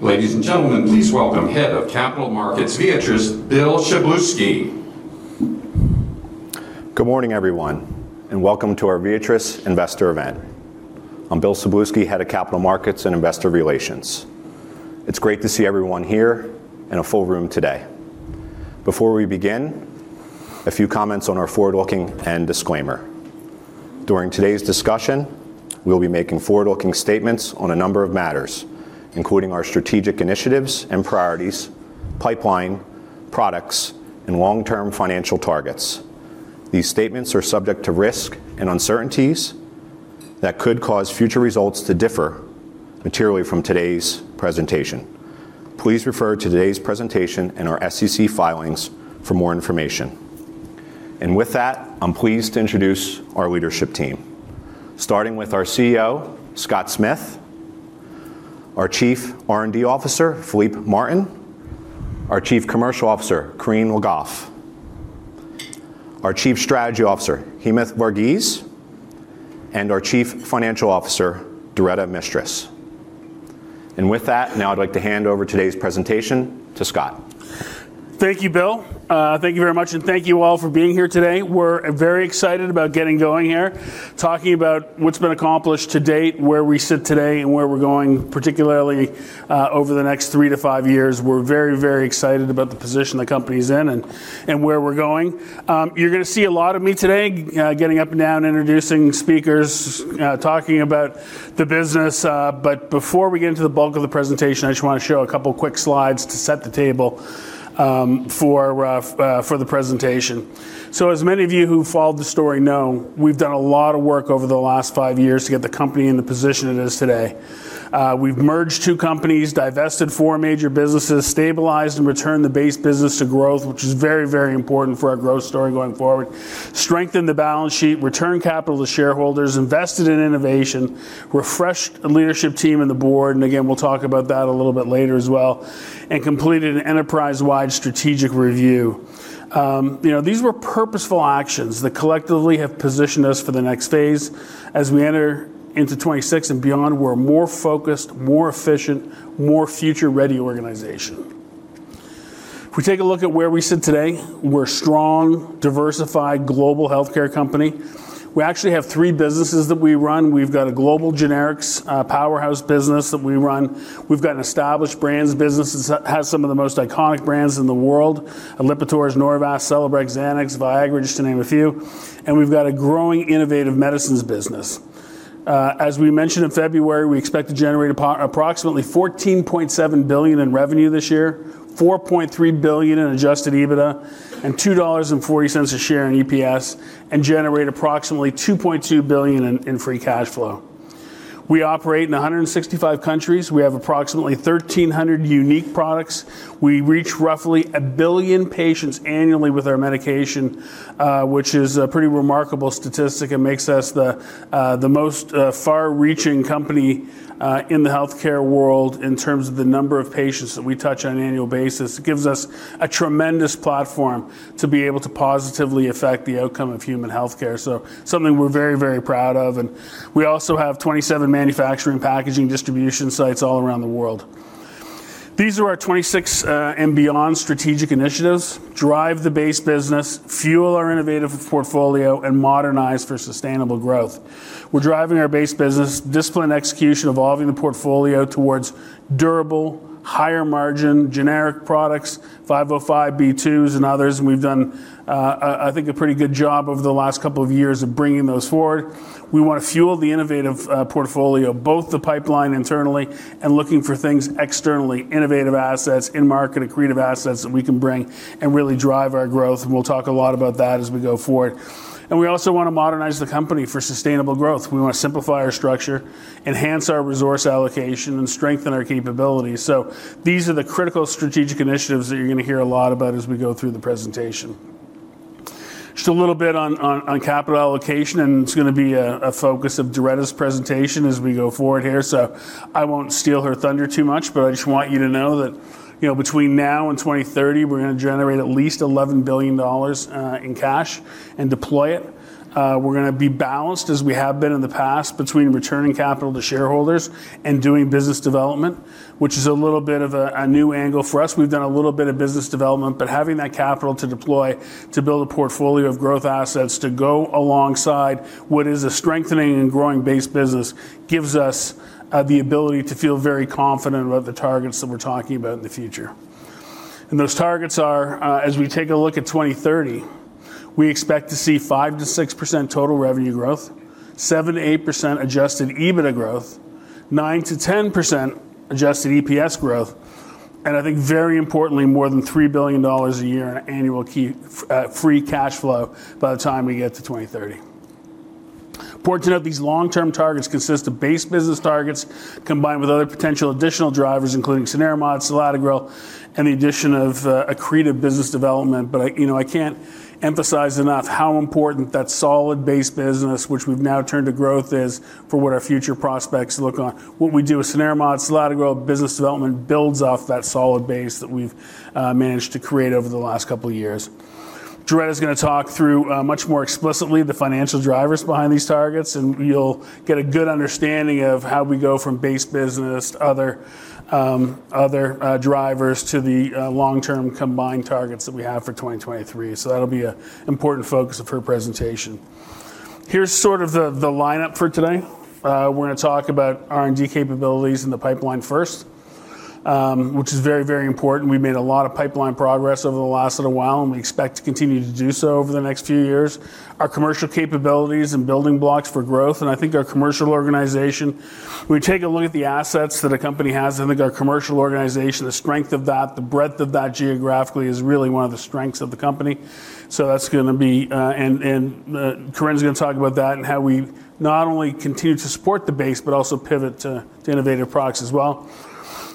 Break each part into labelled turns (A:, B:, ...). A: Ladies and gentlemen, please welcome Head of Capital Markets, Viatris, Bill Szablewski.
B: Good morning, everyone, and welcome to our Viatris Investor Event. I'm Bill Szablewski, Head of Capital Markets and Investor Relations. It's great to see everyone here in a full room today. Before we begin, a few comments on our forward-looking and disclaimer. During today's discussion, we'll be making forward-looking statements on a number of matters, including our strategic initiatives and priorities, pipeline, products, and long-term financial targets. These statements are subject to risk and uncertainties that could cause future results to differ materially from today's presentation. Please refer to today's presentation and our SEC filings for more information. With that, I'm pleased to introduce our leadership team, starting with our CEO, Scott Smith, our Chief R&D Officer, Philippe Martin, our Chief Commercial Officer, Corinne Le Goff, our Chief Strategy Officer, Hemanth J. Varghese, and our Chief Financial Officer, Doretta Mistras. With that, now I'd like to hand over today's presentation to Scott.
C: Thank you, Bill. Thank you very much, and thank you all for being here today. We're very excited about getting going here, talking about what's been accomplished to date, where we sit today, and where we're going, particularly over the next 3-5 years. We're very, very excited about the position the company is in and where we're going. You're gonna see a lot of me today, getting up and down, introducing speakers, talking about the business. But before we get into the bulk of the presentation, I just wanna show a couple of quick slides to set the table, for the presentation. As many of you who followed the story know, we've done a lot of work over the last 5 years to get the company in the position it is today. We've merged two companies, divested four major businesses, stabilized and returned the base business to growth, which is very, very important for our growth story going forward. Strengthened the balance sheet, returned capital to shareholders, invested in innovation, refreshed the leadership team and the board, and again, we'll talk about that a little bit later as well, and completed an enterprise-wide strategic review. You know, these were purposeful actions that collectively have positioned us for the next phase. As we enter into 2026 and beyond, we're a more focused, more efficient, more future-ready organization. If we take a look at where we sit today, we're a strong, diversified global healthcare company. We actually have three businesses that we run. We've got a global generics powerhouse business that we run. We've got an established brands business that has some of the most iconic brands in the world, Lipitor, Norvasc, Celebrex, Xanax, Viagra, just to name a few. We've got a growing innovative medicines business. As we mentioned in February, we expect to generate approximately $14.7 billion in revenue this year, $4.3 billion in adjusted EBITDA, and $2.40 a share in EPS, and generate approximately $2.2 billion in free cash flow. We operate in 165 countries. We have approximately 1,300 unique products. We reach roughly 1 billion patients annually with our medication, which is a pretty remarkable statistic. It makes us the most far-reaching company in the healthcare world in terms of the number of patients that we touch on an annual basis. It gives us a tremendous platform to be able to positively affect the outcome of human healthcare. Something we're very, very proud of. We also have 27 manufacturing, packaging, distribution sites all around the world. These are our 26 and beyond strategic initiatives. Drive the base business, fuel our innovative portfolio, and modernize for sustainable growth. We're driving our base business, disciplined execution, evolving the portfolio towards durable, higher-margin generic products, 505(b)(2) and others, and we've done, I think a pretty good job over the last couple of years of bringing those forward. We wanna fuel the innovative portfolio, both the pipeline internally and looking for things externally, innovative assets in-market, accretive assets that we can bring and really drive our growth. We'll talk a lot about that as we go forward. We also wanna modernize the company for sustainable growth. We wanna simplify our structure, enhance our resource allocation, and strengthen our capabilities. These are the critical strategic initiatives that you're gonna hear a lot about as we go through the presentation. Just a little bit on capital allocation, and it's gonna be a focus of Doretta's presentation as we go forward here. I won't steal her thunder too much, but I just want you to know that, you know, between now and 2030, we're gonna generate at least $11 billion in cash and deploy it. We're gonna be balanced, as we have been in the past, between returning capital to shareholders and doing business development, which is a little bit of a new angle for us. We've done a little bit of business development, but having that capital to deploy to build a portfolio of growth assets to go alongside what is a strengthening and growing base business gives us the ability to feel very confident about the targets that we're talking about in the future. Those targets are as we take a look at 2030, we expect to see 5%-6% total revenue growth, 7%-8% adjusted EBITDA growth, 9%-10% adjusted EPS growth, and I think very importantly, more than $3 billion a year in annual free cash flow by the time we get to 2030. Important to note, these long-term targets consist of base business targets combined with other potential additional drivers, including cenerimod, selatogrel, and the addition of accretive business development. I, you know, can't emphasize enough how important that solid base business, which we've now turned to growth, is for what our future prospects look on. What we do with cenerimod, selatogrel, business development builds off that solid base that we've managed to create over the last couple of years. Doretta is going to talk through much more explicitly the financial drivers behind these targets, and you'll get a good understanding of how we go from base business, other drivers to the long-term combined targets that we have for 2023. That'll be an important focus of her presentation. Here's sort of the lineup for today. We're gonna talk about R&D capabilities in the pipeline first, which is very, very important. We made a lot of pipeline progress over the last little while, and we expect to continue to do so over the next few years. Our commercial capabilities and building blocks for growth, and I think our commercial organization, when we take a look at the assets that a company has, the strength of that, the breadth of that geographically is really one of the strengths of the company. That's gonna be, Corinne's gonna talk about that and how we not only continue to support the base, but also pivot to innovative products as well.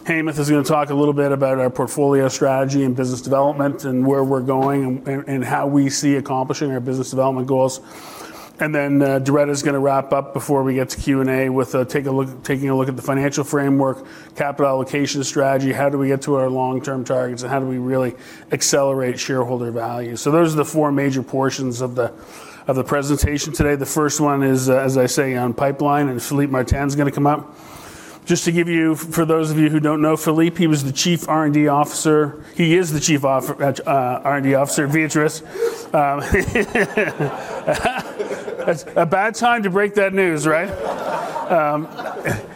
C: Hemanth is gonna talk a little bit about our portfolio strategy and business development and where we're going and how we see accomplishing our business development goals. Then, Doretta is gonna wrap up before we get to Q&A with taking a look at the financial framework, capital allocation strategy, how do we get to our long-term targets, and how do we really accelerate shareholder value. Those are the four major portions of the presentation today. The first one is, as I say, on pipeline, and Philippe Martin is gonna come up. Just to give you, for those of you who don't know Philippe, he was the Chief R&D Officer. He is the Chief R&D Officer at Viatris. That's a bad time to break that news, right?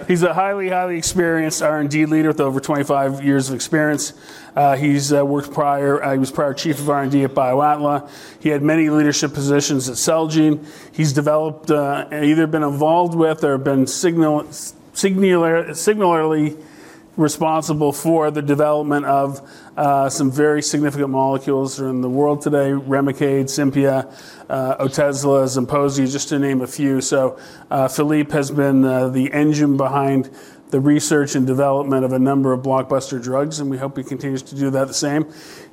C: He's a highly experienced R&D leader with over 25 years of experience. He was prior Chief of R&D at BioAtla. He had many leadership positions at Celgene. He's developed and either been involved with or been singularly responsible for the development of some very significant molecules in the world today, Remicade, Simponi, Otezla, Impoyz, just to name a few. Philippe has been the engine behind the research and development of a number of blockbuster drugs, and we hope he continues to do the same.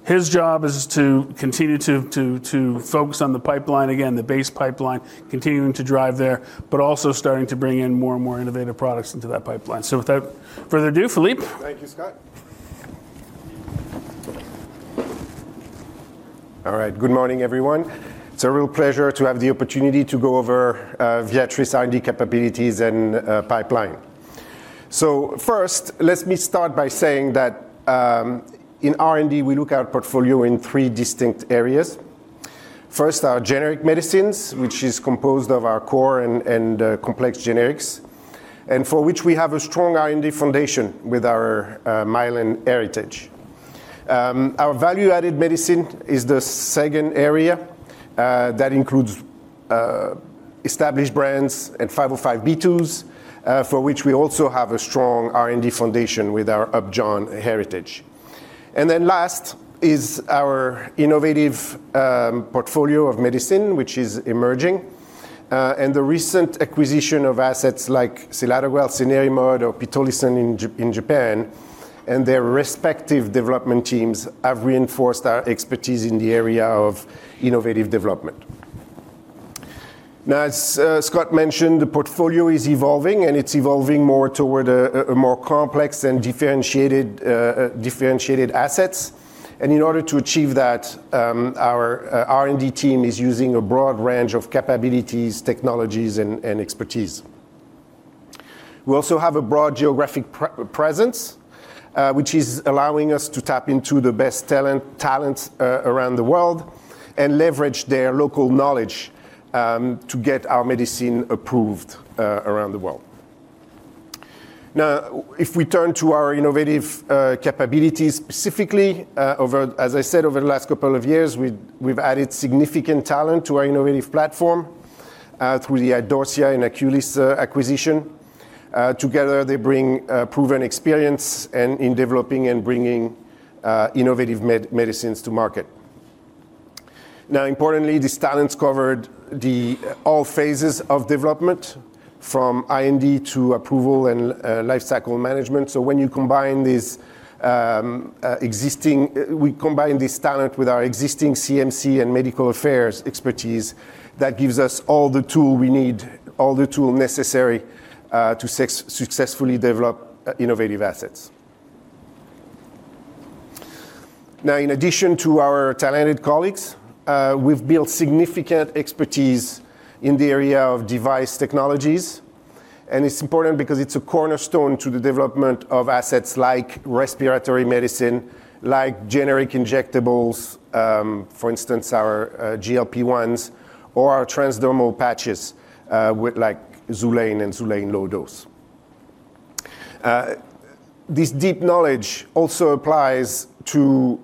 C: His job is to continue to focus on the pipeline, again, the base pipeline, continuing to drive there, but also starting to bring in more and more innovative products into that pipeline. Without further ado, Philippe.
D: Thank you, Scott. All right. Good morning, everyone. It's a real pleasure to have the opportunity to go over Viatris R&D capabilities and pipeline. First, let me start by saying that in R&D, we look at portfolio in three distinct areas. First, our generic medicines, which is composed of our core and complex generics, and for which we have a strong R&D foundation with our Mylan heritage. Our value-added medicine is the second area that includes established brands and 505(b)(2), for which we also have a strong R&D foundation with our Upjohn heritage. Last is our innovative portfolio of medicine, which is emerging. The recent acquisition of assets like selatogrel, cenerimod, or Pitolisant in Japan, and their respective development teams have reinforced our expertise in the area of innovative development. Now, as Scott mentioned, the portfolio is evolving, and it's evolving more toward a more complex and differentiated assets. In order to achieve that, our R&D team is using a broad range of capabilities, technologies, and expertise. We also have a broad geographic presence, which is allowing us to tap into the best talent around the world and leverage their local knowledge to get our medicine approved around the world. Now, if we turn to our innovative capabilities specifically, as I said, over the last couple of years, we've added significant talent to our innovative platform through the Idorsia and Aculys acquisition. Together, they bring proven experience in developing and bringing innovative medicines to market. Importantly, these talents covered all phases of development from IND to approval and lifecycle management. We combine this talent with our existing CMC and medical affairs expertise, that gives us all the tools necessary to successfully develop innovative assets. Now, in addition to our talented colleagues, we've built significant expertise in the area of device technologies. It's important because it's a cornerstone to the development of assets like respiratory medicine, like generic injectables, for instance, our GLP-1s or our transdermal patches, with like Xulane and Xulane low dose. This deep knowledge also applies to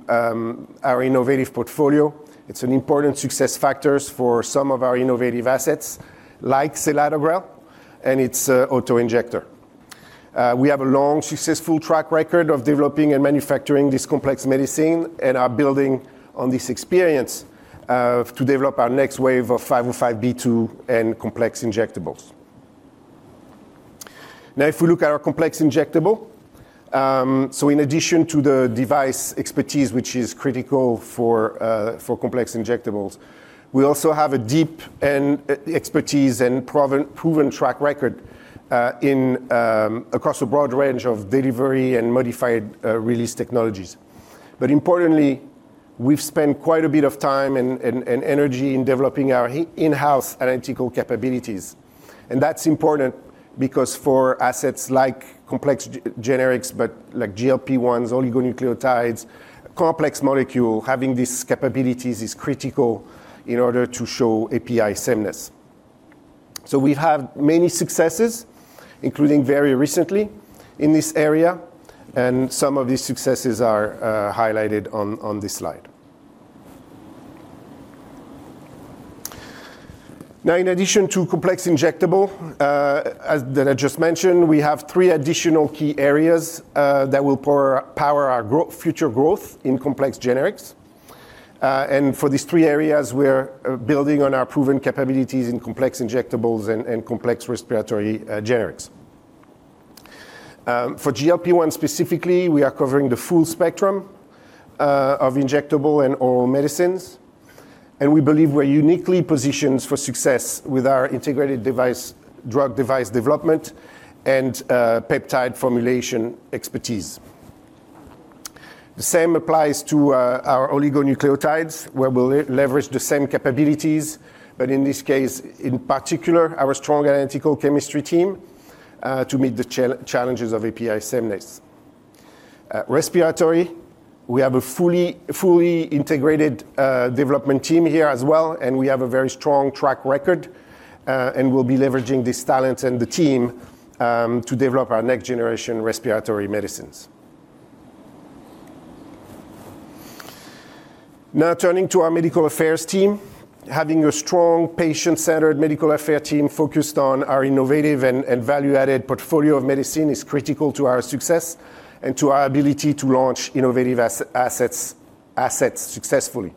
D: our innovative portfolio. It's an important success factor for some of our innovative assets like selatogrel and its auto-injector. We have a long, successful track record of developing and manufacturing this complex medicine and are building on this experience to develop our next wave of 505(b)(2) and complex injectables. Now if we look at our complex injectable, so in addition to the device expertise, which is critical for complex injectables, we also have a deep expertise and proven track record in across a broad range of delivery and modified release technologies. Importantly, we've spent quite a bit of time and energy in developing our in-house analytical capabilities. That's important because for assets like complex generics, but like GLP-1s, oligonucleotides, complex molecule, having these capabilities is critical in order to show API sameness. We have many successes, including very recently in this area, and some of these successes are highlighted on this slide. Now, in addition to complex injectable that I just mentioned, we have three additional key areas that will power our future growth in complex generics. For these three areas, we're building on our proven capabilities in complex injectables and complex respiratory generics. For GLP-1 specifically, we are covering the full spectrum of injectable and oral medicines, and we believe we're uniquely positioned for success with our integrated drug-device development and peptide formulation expertise. The same applies to our oligonucleotides, where we'll leverage the same capabilities, but in this case, in particular, our strong analytical chemistry team to meet the challenges of API sameness. Respiratory, we have a fully integrated development team here as well, and we have a very strong track record, and we'll be leveraging this talent and the team to develop our next generation respiratory medicines. Now turning to our medical affairs team. Having a strong, patient-centered medical affairs team focused on our innovative and value-added portfolio of medicine is critical to our success and to our ability to launch innovative assets successfully.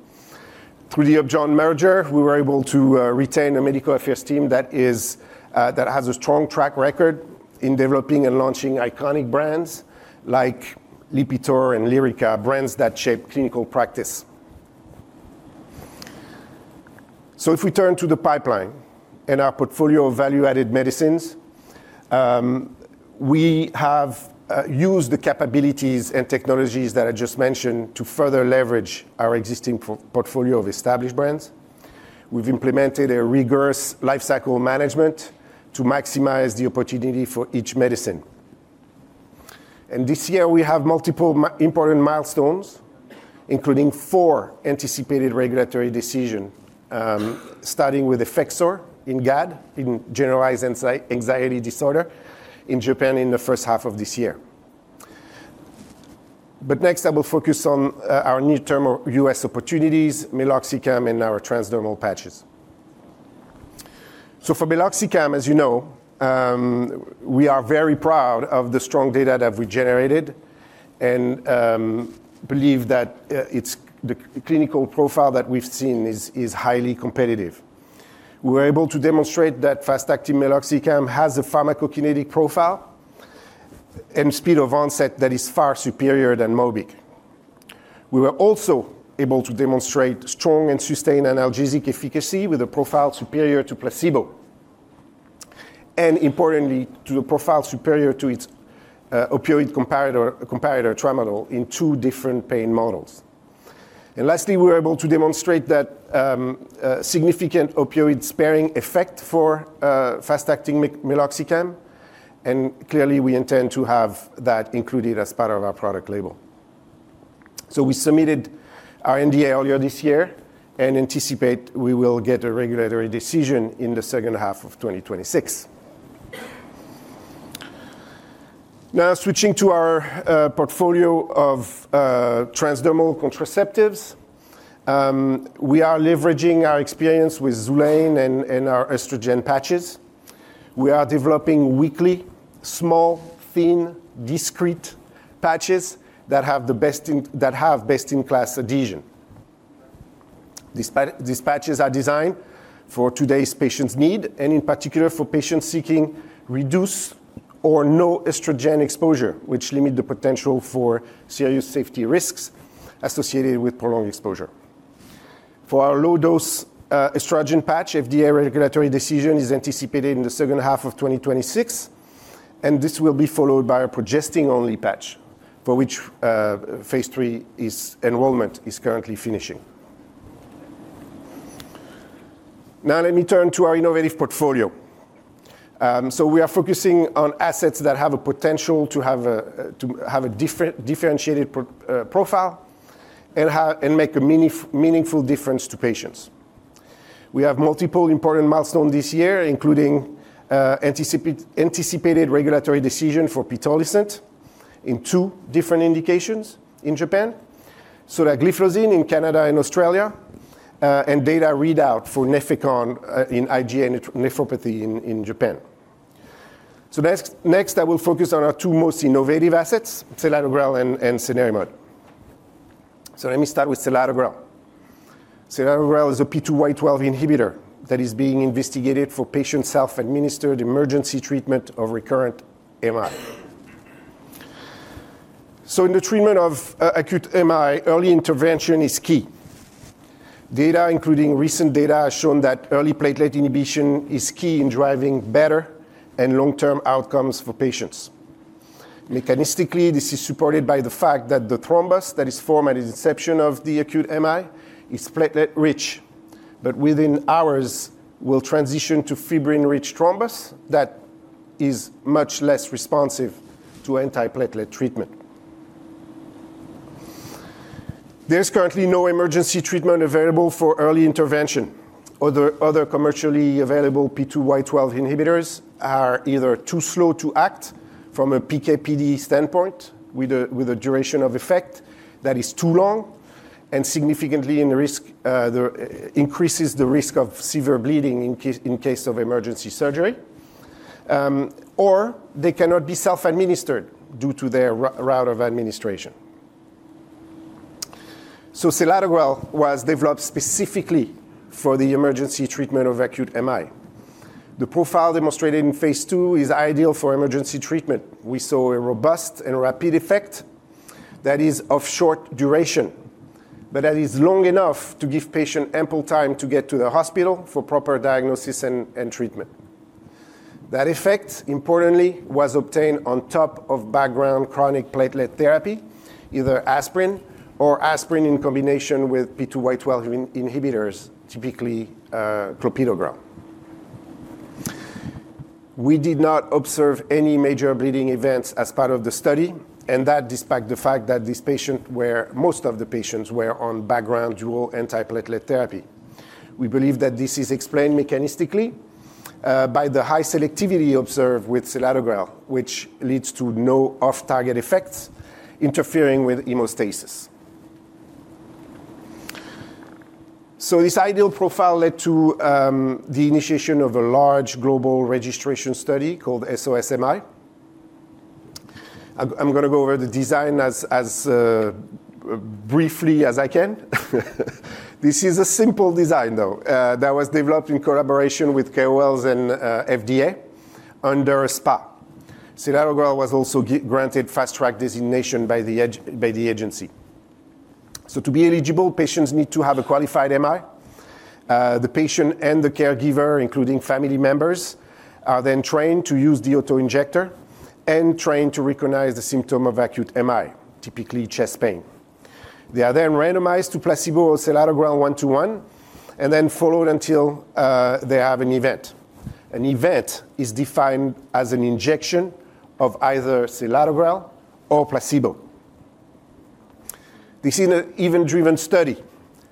D: Through the Upjohn merger, we were able to retain a medical affairs team that is that has a strong track record in developing and launching iconic brands like Lipitor and Lyrica, brands that shape clinical practice. If we turn to the pipeline and our portfolio of value-added medicines, we have used the capabilities and technologies that I just mentioned to further leverage our existing portfolio of established brands. We've implemented a rigorous lifecycle management to maximize the opportunity for each medicine. This year we have multiple important milestones, including four anticipated regulatory decisions, starting with Effexor in GAD, in generalized anxiety disorder in Japan in the first half of this year. Next, I will focus on our near-term U.S. opportunities, meloxicam, and our transdermal patches. For meloxicam, as you know, we are very proud of the strong data that we generated and believe that it's the clinical profile that we've seen is highly competitive. We were able to demonstrate that fast-acting meloxicam has a pharmacokinetic profile and speed of onset that is far superior than Mobic. We were also able to demonstrate strong and sustained analgesic efficacy with a profile superior to placebo. Importantly, to a profile superior to its opioid comparator, Tramadol, in two different pain models. Lastly, we were able to demonstrate that significant opioid sparing effect for fast-acting meloxicam, and clearly, we intend to have that included as part of our product label. We submitted our NDA earlier this year and anticipate we will get a regulatory decision in the second half of 2026. Now switching to our portfolio of transdermal contraceptives. We are leveraging our experience with Xulane and our estrogen patches. We are developing weekly small, thin, discreet patches that have best-in-class adhesion. These patches are designed for today's patient's need and in particular for patients seeking reduced or no estrogen exposure, which limit the potential for serious safety risks associated with prolonged exposure. For our low-dose estrogen patch, FDA regulatory decision is anticipated in the second half of 2026, and this will be followed by a progestin-only patch for which phase 3 enrollment is currently finishing. Now let me turn to our innovative portfolio. We are focusing on assets that have a potential to have a differentiated profile and make a meaningful difference to patients. We have multiple important milestone this year, including anticipated regulatory decision for Pitolisant in two different indications in Japan. That GLP-1 agonists in Canada and Australia, and data readout for Nefecon in IgA nephropathy in Japan. Next, I will focus on our two most innovative assets, selatogrel and cenerimod. Let me start with selatogrel. Selatogrel is a P2Y12 inhibitor that is being investigated for patient self-administered emergency treatment of recurrent MI. In the treatment of acute MI, early intervention is key. Data, including recent data, has shown that early platelet inhibition is key in driving better and long-term outcomes for patients. Mechanistically, this is supported by the fact that the thrombus that is formed at inception of the acute MI is platelet-rich, but within hours will transition to fibrin-rich thrombus that is much less responsive to antiplatelet treatment. There is currently no emergency treatment available for early intervention. Commercially available P2Y12 inhibitors are either too slow to act from a PK/PD standpoint with a duration of effect that is too long and significantly increases the risk of severe bleeding in case of emergency surgery. Or they cannot be self-administered due to their route of administration. selatogrel was developed specifically for the emergency treatment of acute MI. The profile demonstrated in phase two is ideal for emergency treatment. We saw a robust and rapid effect that is of short duration, but that is long enough to give patient ample time to get to the hospital for proper diagnosis and treatment. That effect, importantly, was obtained on top of background chronic platelet therapy, either aspirin or aspirin in combination with P2Y12 inhibitors, typically, clopidogrel. We did not observe any major bleeding events as part of the study, and that despite the fact that most of the patients were on background dual antiplatelet therapy. We believe that this is explained mechanistically by the high selectivity observed with selatogrel, which leads to no off-target effects interfering with hemostasis. This ideal profile led to the initiation of a large global registration study called SOS-AMI. I'm gonna go over the design as briefly as I can. This is a simple design, though, that was developed in collaboration with CHAOS and FDA under a SPA. Selatogrel was also granted Fast Track designation by the agency. To be eligible, patients need to have a qualified MI. The patient and the caregiver, including family members, are then trained to use the auto-injector and trained to recognize the symptom of acute MI, typically chest pain. They are then randomized to placebo or selatogrel 1-to-1, and then followed until they have an event. An event is defined as an injection of either selatogrel or placebo. This is an event-driven study.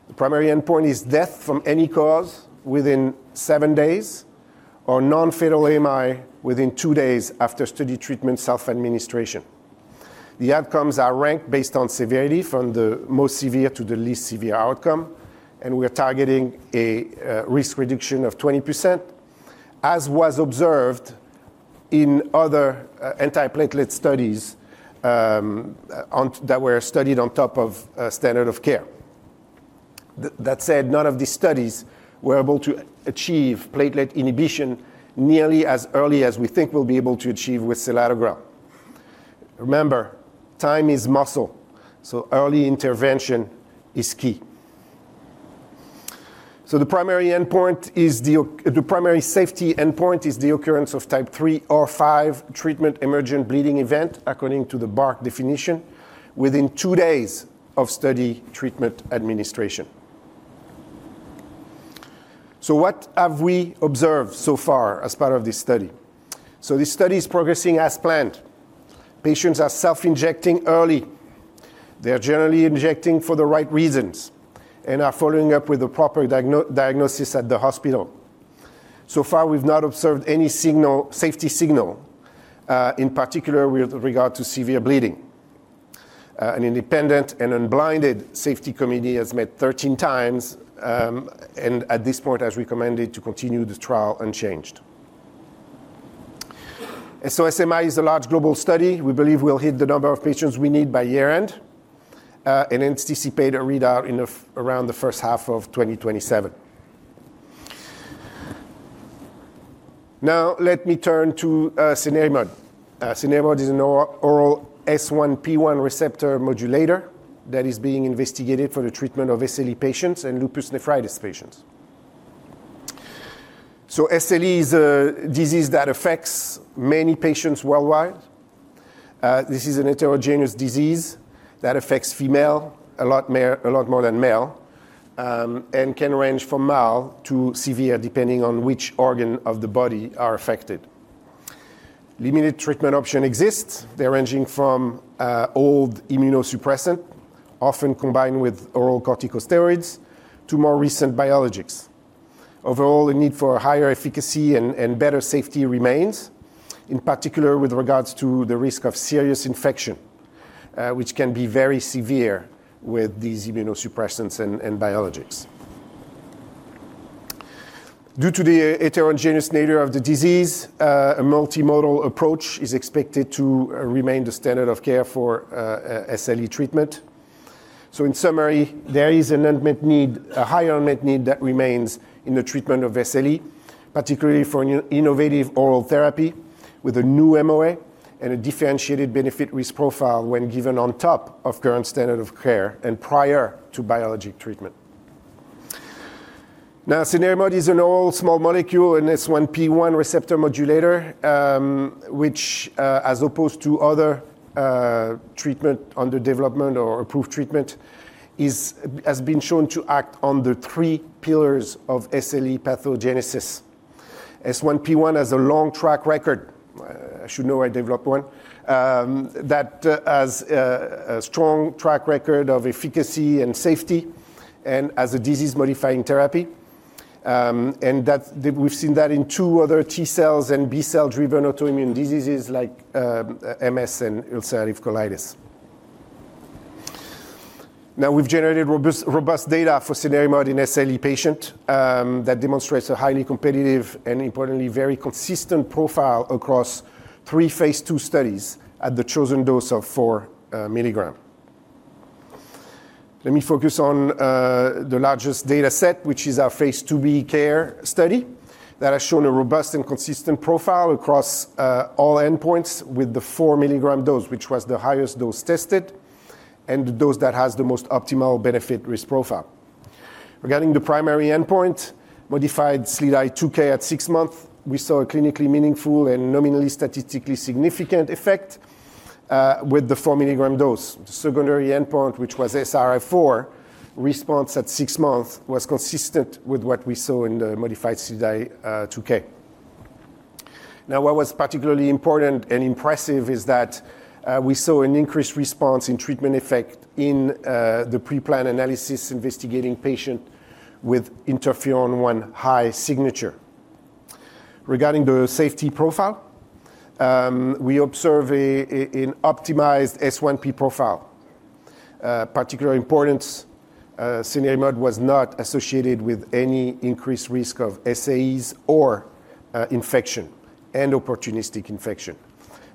D: The primary endpoint is death from any cause within 7 days or non-fatal AMI within 2 days after study treatment self-administration. The outcomes are ranked based on severity from the most severe to the least severe outcome, and we are targeting a risk reduction of 20%, as was observed in other antiplatelet studies that were studied on top of standard of care. That said, none of these studies were able to achieve platelet inhibition nearly as early as we think we'll be able to achieve with selatogrel. Remember, time is muscle, so early intervention is key. The primary safety endpoint is the occurrence of Type 3 or 5 treatment emergent bleeding event according to the BARC definition within 2 days of study treatment administration. What have we observed so far as part of this study? The study is progressing as planned. Patients are self-injecting early. They are generally injecting for the right reasons and are following up with the proper diagnosis at the hospital. So far, we've not observed any signal, safety signal, in particular with regard to severe bleeding. An independent and unblinded safety committee has met 13 times, and at this point has recommended to continue the trial unchanged. SOS-AMI is a large global study. We believe we'll hit the number of patients we need by year-end, and anticipate a readout around the first half of 2027. Now, let me turn to cenerimod. Cenerimod is an oral S1P1 receptor modulator that is being investigated for the treatment of SLE patients and lupus nephritis patients. SLE is a disease that affects many patients worldwide. This is a heterogeneous disease that affects females a lot more than males, and can range from mild to severe depending on which organ of the body are affected. Limited treatment option exists. They range from old immunosuppressant, often combined with oral corticosteroids, to more recent biologics. Overall, the need for higher efficacy and better safety remains, in particular with regards to the risk of serious infection, which can be very severe with these immunosuppressants and biologics. Due to the heterogeneous nature of the disease, a multimodal approach is expected to remain the standard of care for SLE treatment. In summary, there is an unmet need, a high unmet need that remains in the treatment of SLE, particularly for innovative oral therapy. With a new MOA and a differentiated benefit risk profile when given on top of current standard of care and prior to biologic treatment. Now, cenerimod is an oral small molecule and S1P1 receptor modulator, which, as opposed to other treatment under development or approved treatment, has been shown to act on the three pillars of SLE pathogenesis. S1P1 has a long track record. I should know I developed one that has a strong track record of efficacy and safety and as a disease-modifying therapy. We've seen that in 2 other T cells and B cell driven autoimmune diseases like MS and ulcerative colitis. Now we've generated robust data for cenerimod in SLE patients that demonstrates a highly competitive and importantly, very consistent profile across 3 phase 2 studies at the chosen dose of 4 mg. Let me focus on the largest data set, which is our phase 2b CARE study that has shown a robust and consistent profile across all endpoints with the 4 mg dose, which was the highest dose tested and the dose that has the most optimal benefit risk profile. Regarding the primary endpoint, modified SLEDAI-2K at 6 months, we saw a clinically meaningful and nominally statistically significant effect with the 4 milligram dose. The secondary endpoint, which was SRI-4 response at 6 months, was consistent with what we saw in the modified SLEDAI-2K. Now, what was particularly important and impressive is that we saw an increased response in treatment effect in the pre-planned analysis investigating patient with interferon-one high signature. Regarding the safety profile, we observe an optimized S1P profile. Particular importance, cenerimod was not associated with any increased risk of SAEs or infection and opportunistic infection,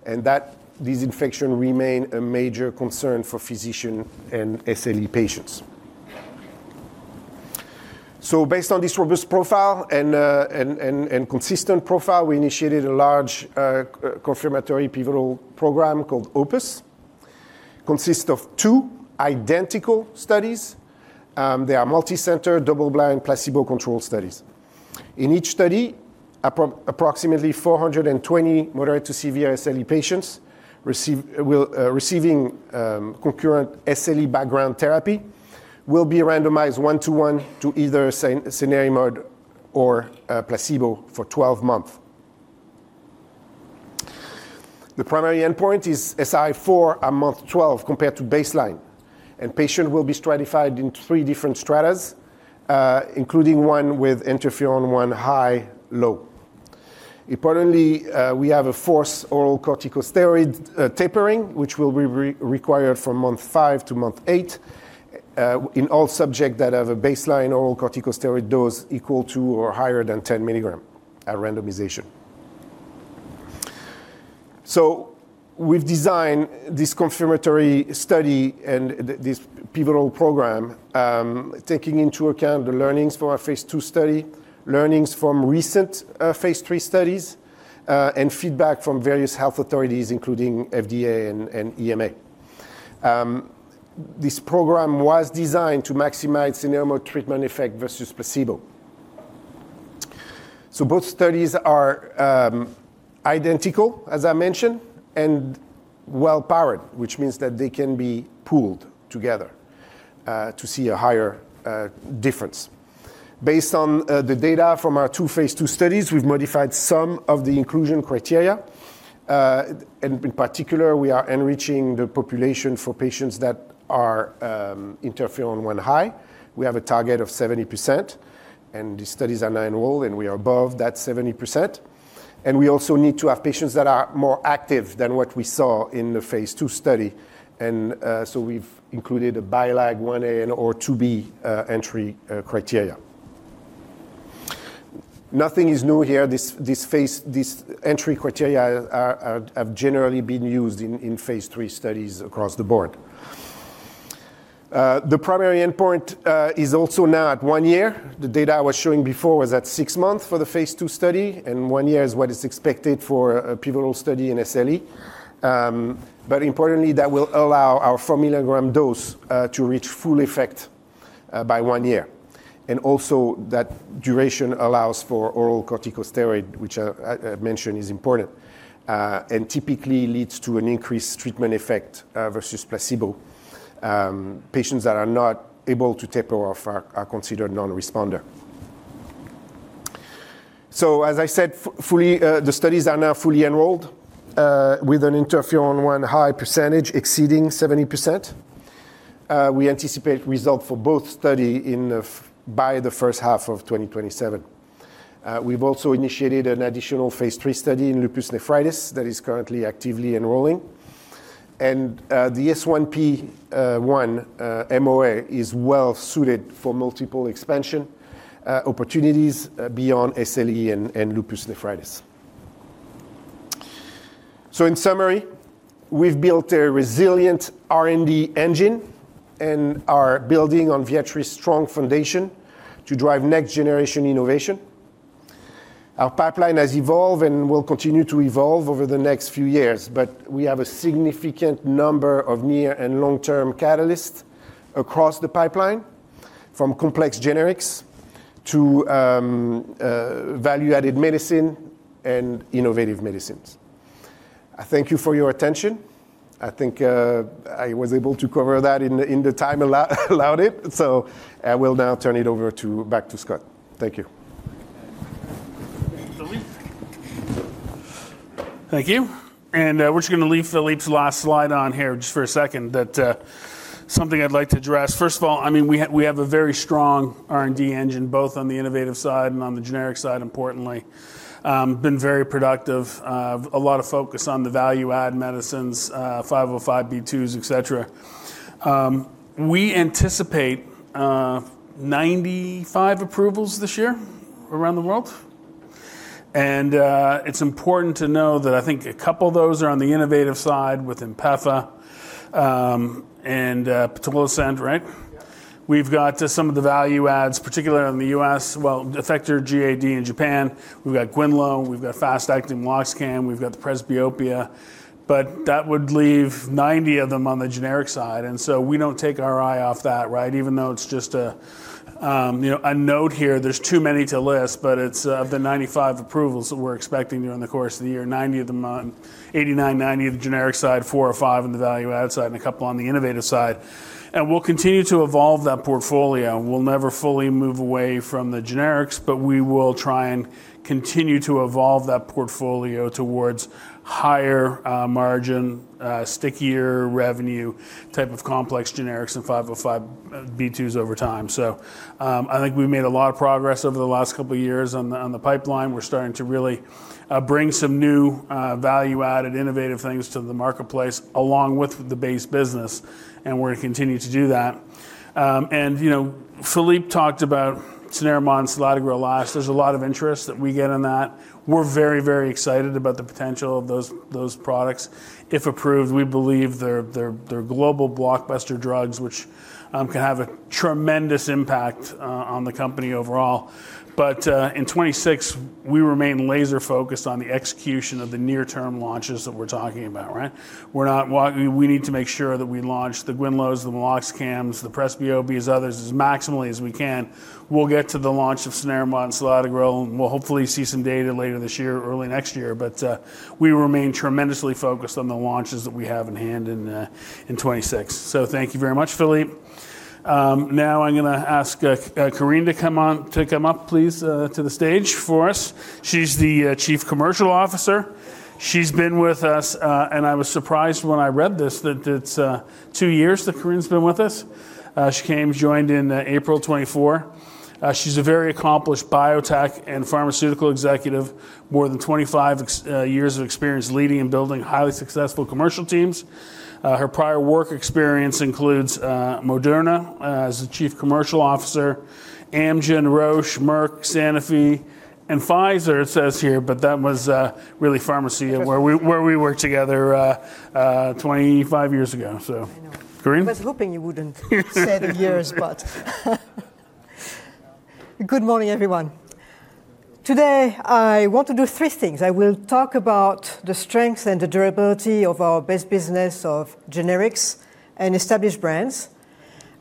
D: and that these infection remain a major concern for physician and SLE patients. Based on this robust profile and consistent profile, we initiated a large confirmatory pivotal program called OPUS. Consists of two identical studies. They are multicenter double-blind, placebo-controlled studies. In each study, approximately 420 moderate to severe SLE patients receiving concurrent SLE background therapy will be randomized 1:1 to either cenerimod or placebo for 12 months. The primary endpoint is SRI-4 at month 12 compared to baseline, and patients will be stratified into three different strata, including one with interferon-one high/low. Importantly, we have a forced oral corticosteroid tapering, which will be required from month 5 to month 8 in all subjects that have a baseline oral corticosteroid dose equal to or higher than 10 milligrams at randomization. We've designed this confirmatory study and this pivotal program, taking into account the learnings from our phase 2 study, learnings from recent phase 3 studies, and feedback from various health authorities, including FDA and EMA. This program was designed to maximize cenerimod treatment effect versus placebo. Both studies are identical, as I mentioned, and well-powered, which means that they can be pooled together to see a higher difference. Based on the data from our two phase 2 studies, we've modified some of the inclusion criteria. In particular, we are enriching the population for patients that are interferon-one high. We have a target of 70%, and these studies are now enrolled, and we are above that 70%. We also need to have patients that are more active than what we saw in the phase 2 study. We've included a BILAG 1A or 2B entry criteria. Nothing is new here. This entry criteria have generally been used in phase 3 studies across the board. The primary endpoint is also now at 1 year. The data I was showing before was at 6 months for the phase 2 study, and 1 year is what is expected for a pivotal study in SLE. Importantly, that will allow our 4 milligram dose to reach full effect by 1 year. Also that duration allows for oral corticosteroid, which I mentioned is important, and typically leads to an increased treatment effect versus placebo. Patients that are not able to taper off are considered non-responder. As I said, fully, the studies are now fully enrolled, with an interferon-one high percentage exceeding 70%. We anticipate results for both study in the first half of 2027. We've also initiated an additional phase 3 study in lupus nephritis that is currently actively enrolling. The S1P1 MOA is well suited for multiple expansion opportunities beyond SLE and lupus nephritis. In summary, we've built a resilient R&D engine and are building on Viatris' strong foundation to drive next-generation innovation. Our pipeline has evolved and will continue to evolve over the next few years, but we have a significant number of near and long-term catalysts across the pipeline, from complex generics to value-added medicine and innovative medicines. I thank you for your attention. I think I was able to cover that in the time allotted. I will now turn it back to Scott. Thank you.
C: Thank you, Philippe. Thank you. We're just gonna leave Philippe's last slide on here just for a second that something I'd like to address. First of all, I mean, we have a very strong R&D engine, both on the innovative side and on the generic side, importantly. Been very productive. A lot of focus on the value-add medicines, 505(b)(2), et cetera. We anticipate 95 approvals this year around the world, and it's important to know that I think a couple of those are on the innovative side with IMVEXXY, and Patisiran, right?
D: Yeah.
C: We've got some of the value adds, particularly in the U.S., Effexor in Japan. We've got Quinlo. We've got fast-acting meloxicam. We've got the presbyopia. But that would leave 90 of them on the generic side, and so we don't take our eye off that, right? Even though it's just a note here. There's too many to list, but it's of the 95 approvals that we're expecting during the course of the year, 90 of them are on the generic side, 4 or 5 on the value-add side, and a couple on the innovative side. We'll continue to evolve that portfolio. We'll never fully move away from the generics, but we will try and continue to evolve that portfolio towards higher margin, stickier revenue type of complex generics and 505(b)(2) over time. I think we've made a lot of progress over the last couple of years on the pipeline. We're starting to really bring some new value-added, innovative things to the marketplace along with the base business, and we're gonna continue to do that. You know, Philippe talked about cenerimod, selatogrel. There's a lot of interest that we get in that. We're very, very excited about the potential of those products. If approved, we believe they're global blockbuster drugs, which can have a tremendous impact on the company overall. In 2026, we remain laser-focused on the execution of the near-term launches that we're talking about, right? We need to make sure that we launch the Quinlos, the meloxicams, the presbyopias, others, as maximally as we can. We'll get to the launch of cenerimod and selatogrel, and we'll hopefully see some data later this year or early next year. We remain tremendously focused on the launches that we have in hand in 2026. Thank you very much, Philippe. Now I'm gonna ask Corinne to come up please to the stage for us. She's the Chief Commercial Officer. She's been with us, and I was surprised when I read this, that it's 2 years that Corinne's been with us. She came and joined in April 2024. She's a very accomplished biotech and pharmaceutical executive, more than 25 years of experience leading and building highly successful commercial teams. Her prior work experience includes Moderna as the Chief Commercial Officer, Amgen, Roche, Merck, Sanofi, and Pfizer, it says here, but that was really Pharmacia where we worked together 25 years ago.
E: I know.
C: Corinne.
E: I was hoping you wouldn't say the years. Good morning, everyone. Today, I want to do three things. I will talk about the strength and the durability of our base business of generics and established brands.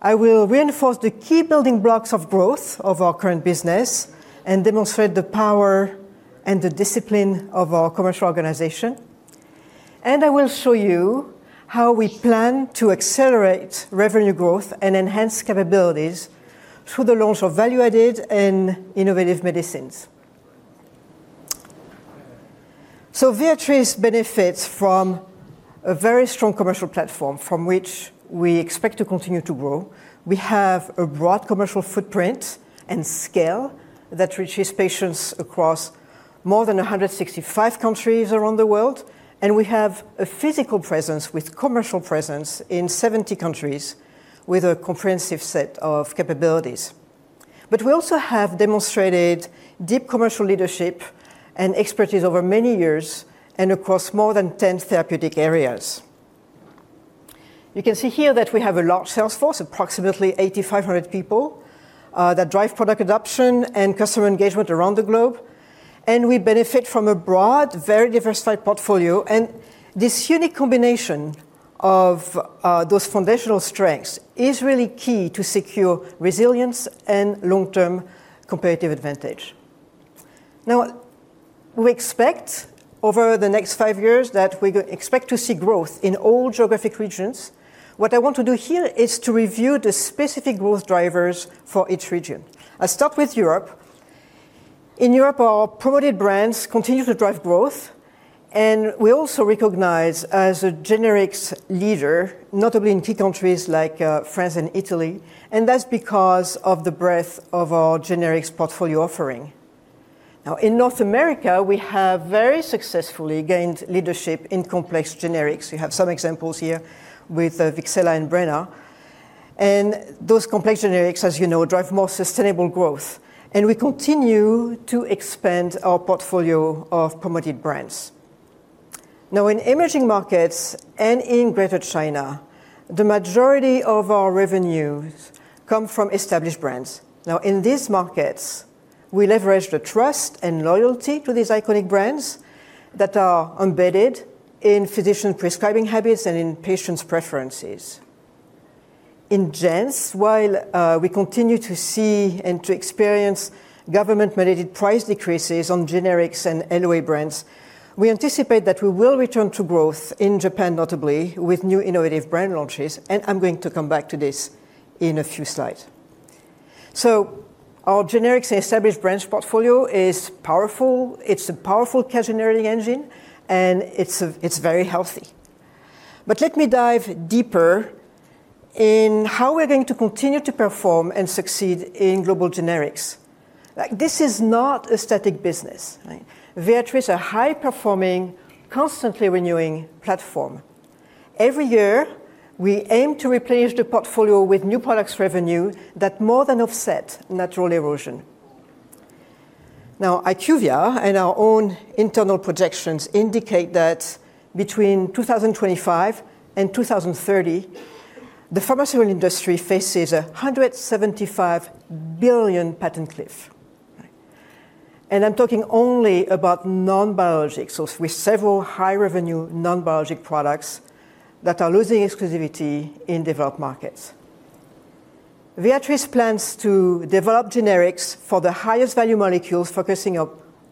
E: I will reinforce the key building blocks of growth of our current business and demonstrate the power and the discipline of our commercial organization. I will show you how we plan to accelerate revenue growth and enhance capabilities through the launch of value-added and innovative medicines. Viatris benefits from a very strong commercial platform from which we expect to continue to grow. We have a broad commercial footprint and scale that reaches patients across more than 165 countries around the world, and we have a physical presence with commercial presence in 70 countries with a comprehensive set of capabilities. We also have demonstrated deep commercial leadership and expertise over many years and across more than 10 therapeutic areas. You can see here that we have a large sales force, approximately 8,500 people, that drive product adoption and customer engagement around the globe, and we benefit from a broad, very diversified portfolio. This unique combination of those foundational strengths is really key to secure resilience and long-term competitive advantage. Now, we expect over the next 5 years to see growth in all geographic regions. What I want to do here is to review the specific growth drivers for each region. I'll start with Europe. In Europe, our promoted brands continue to drive growth, and we're also recognized as a generics leader, notably in key countries like France and Italy, and that's because of the breadth of our generics portfolio offering. Now, in North America, we have very successfully gained leadership in complex generics. We have some examples here with Breyena. Those complex generics, as you know, drive more sustainable growth. We continue to expand our portfolio of promoted brands. Now, in emerging markets and in Greater China, the majority of our revenues come from established brands. Now in these markets, we leverage the trust and loyalty to these iconic brands that are embedded in physician prescribing habits and in patients' preferences. In JANZ, while we continue to see and to experience government-mandated price decreases on generics and LOE brands, we anticipate that we will return to growth in Japan, notably with new innovative brand launches, and I'm going to come back to this in a few slides. Our generics established brands portfolio is powerful. It's a powerful cash-generating engine, and it's very healthy. Let me dive deeper in how we're going to continue to perform and succeed in global generics. Like, this is not a static business. Viatris is a high-performing, constantly renewing platform. Every year, we aim to replenish the portfolio with new products revenue that more than offset natural erosion. Now, IQVIA and our own internal projections indicate that between 2025 and 2030, the pharmaceutical industry faces a $107 billion patent cliff. I'm talking only about non-biologics, so with several high-revenue non-biologic products that are losing exclusivity in developed markets. Viatris plans to develop generics for the highest value molecules, focusing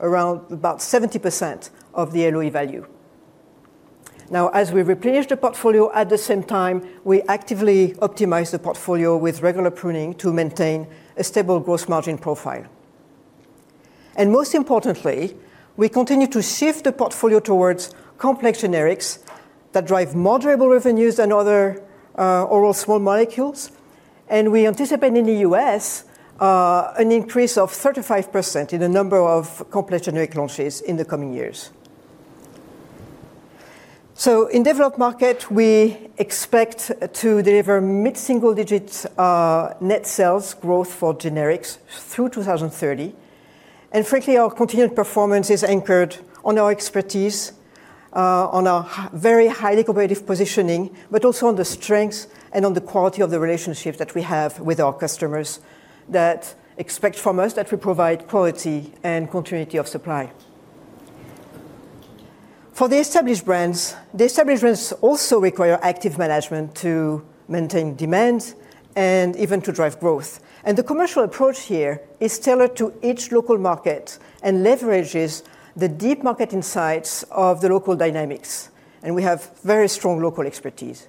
E: around about 70% of the LOE value. Now, as we replenish the portfolio, at the same time, we actively optimize the portfolio with regular pruning to maintain a stable gross margin profile. Most importantly, we continue to shift the portfolio towards complex generics that drive moderate revenues and other oral small molecules. We anticipate in the U.S. an increase of 35% in the number of complex generic launches in the coming years. In developed market, we expect to deliver mid-single digits net sales growth for generics through 2030. Frankly, our continued performance is anchored on our expertise on our very highly competitive positioning, but also on the strength and on the quality of the relationship that we have with our customers that expect from us that we provide quality and continuity of supply. For the established brands, they also require active management to maintain demand and even to drive growth. The commercial approach here is tailored to each local market and leverages the deep market insights of the local dynamics. We have very strong local expertise.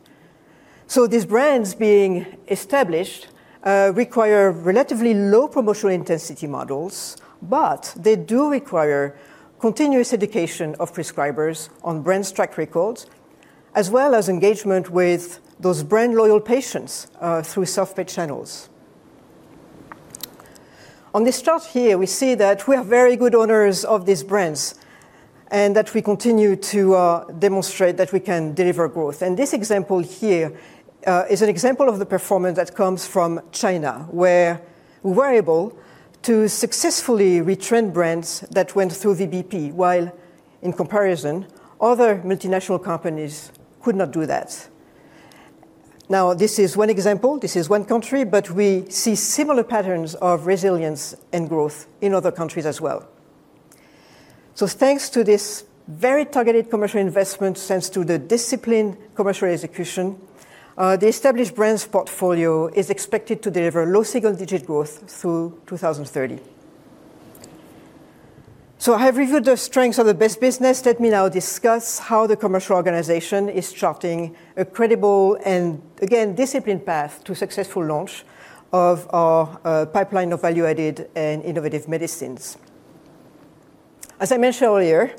E: These brands being established require relatively low promotional intensity models, but they do require continuous education of prescribers on brand's track records, as well as engagement with those brand loyal patients through self-pay channels. On this chart here, we see that we are very good owners of these brands and that we continue to demonstrate that we can deliver growth. This example here is an example of the performance that comes from China, where we were able to successfully retrain brands that went through VBP, while in comparison, other multinational companies could not do that. This is one example, this is one country, but we see similar patterns of resilience and growth in other countries as well. Thanks to this very targeted commercial investment, thanks to the disciplined commercial execution, the established brands portfolio is expected to deliver low single-digit growth through 2030. I have reviewed the strengths of the best business. Let me now discuss how the commercial organization is charting a credible and again, disciplined path to successful launch of our pipeline of value-added and innovative medicines. As I mentioned earlier,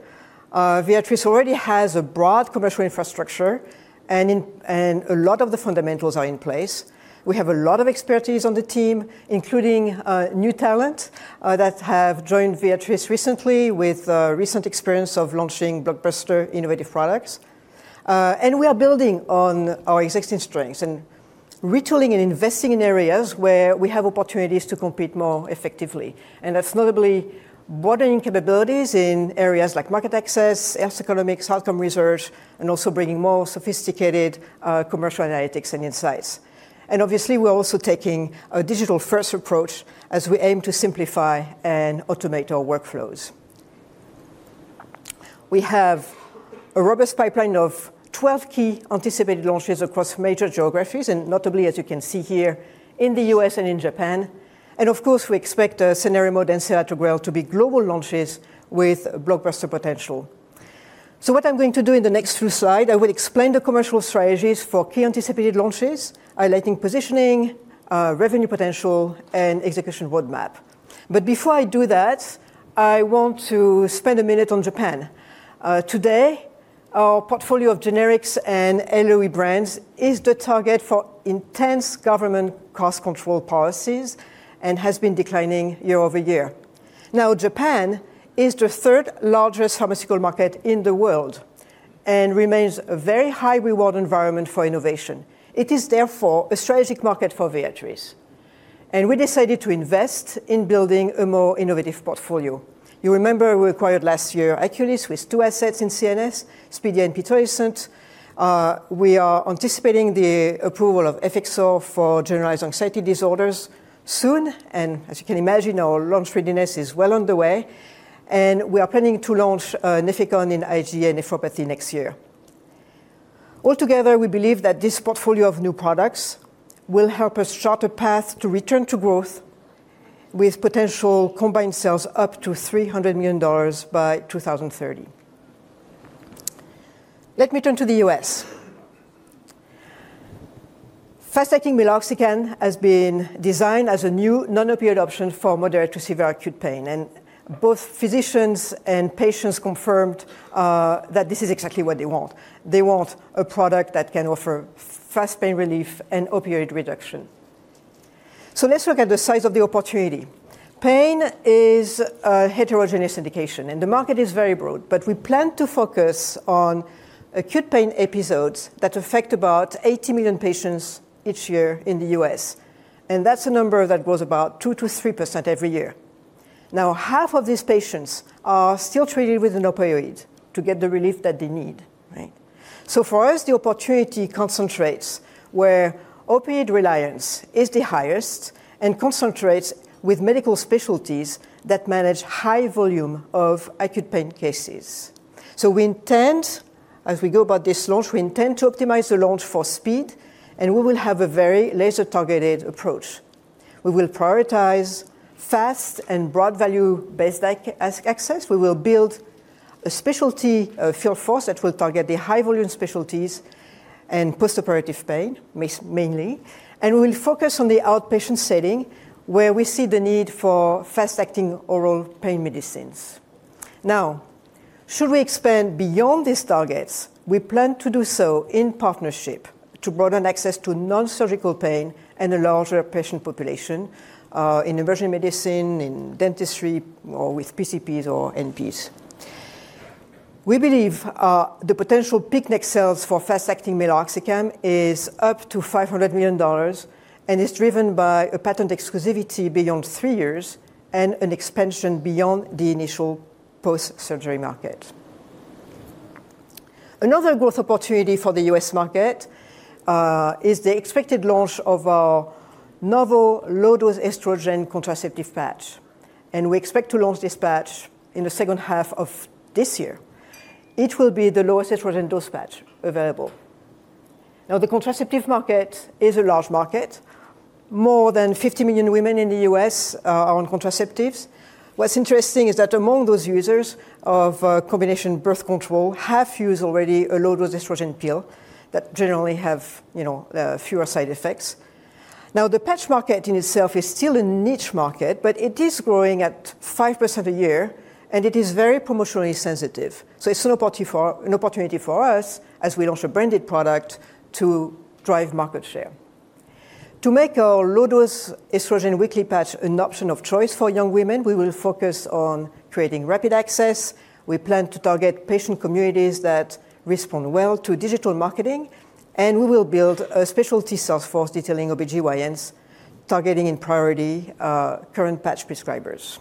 E: Viatris already has a broad commercial infrastructure and a lot of the fundamentals are in place. We have a lot of expertise on the team, including new talent that have joined Viatris recently with recent experience of launching blockbuster innovative products. We are building on our existing strengths and retooling and investing in areas where we have opportunities to compete more effectively. That's notably broadening capabilities in areas like market access, health economics, outcome research, and also bringing more sophisticated commercial analytics and insights. Obviously, we're also taking a digital-first approach as we aim to simplify and automate our workflows. We have a robust pipeline of 12 key anticipated launches across major geographies, and notably, as you can see here in the US and in Japan. Of course, we expect cenerimod and selatogrel to be global launches with blockbuster potential. What I'm going to do in the next few slides, I will explain the commercial strategies for key anticipated launches, highlighting positioning, revenue potential, and execution roadmap. Before I do that, I want to spend a minute on Japan. Today, our portfolio of generics and LOE brands is the target for intense government cost control policies and has been declining year-over-year. Now Japan is the third largest pharmaceutical market in the world and remains a very high reward environment for innovation. It is therefore a strategic market for Viatris, and we decided to invest in building a more innovative portfolio. You remember we acquired last year Aculys with two assets in CNS, Spydia and Pitolisant. We are anticipating the approval of Effexor for generalized anxiety disorders soon, and as you can imagine, our launch readiness is well underway, and we are planning to launch Nefecon in IgA nephropathy next year. Altogether, we believe that this portfolio of new products will help us chart a path to return to growth with potential combined sales up to $300 million by 2030. Let me turn to the U.S. Fast-acting meloxicam has been designed as a new non-opioid option for moderate to severe acute pain, and both physicians and patients confirmed that this is exactly what they want. They want a product that can offer fast pain relief and opioid reduction. Let's look at the size of the opportunity. Pain is a heterogeneous indication, and the market is very broad, but we plan to focus on acute pain episodes that affect about 80 million patients each year in the U.S., and that's a number that grows about 2%-3% every year. Now, half of these patients are still treated with an opioid to get the relief that they need. Right? For us, the opportunity concentrates where opioid reliance is the highest and concentrates with medical specialties that manage high volume of acute pain cases. We intend, as we go about this launch, we intend to optimize the launch for speed, and we will have a very laser-targeted approach. We will prioritize fast and broad value-based access. We will build a specialty field force that will target the high volume specialties and postoperative pain, mainly. We will focus on the outpatient setting, where we see the need for fast-acting oral pain medicines. Now, should we expand beyond these targets, we plan to do so in partnership to broaden access to non-surgical pain and a larger patient population in emergency medicine, in dentistry, or with PCPs or NPs. We believe the potential peak net sales for fast-acting meloxicam is up to $500 million and is driven by a patent exclusivity beyond three years and an expansion beyond the initial post-surgery market. Another growth opportunity for the US market is the expected launch of our novel low-dose estrogen contraceptive patch, and we expect to launch this patch in the second half of this year. It will be the lowest estrogen dose patch available. Now, the contraceptive market is a large market. More than 50 million women in the U.S. are on contraceptives. What's interesting is that among those users of combination birth control, half use already a low-dose estrogen pill that generally have you know fewer side effects. Now, the patch market in itself is still a niche market, but it is growing at 5% a year, and it is very promotionally sensitive. It's an opportunity for us as we launch a branded product to drive market share. To make our low-dose estrogen weekly patch an option of choice for young women, we will focus on creating rapid access. We plan to target patient communities that respond well to digital marketing, and we will build a specialty sales force detailing OBGYNs, targeting in priority current patch prescribers.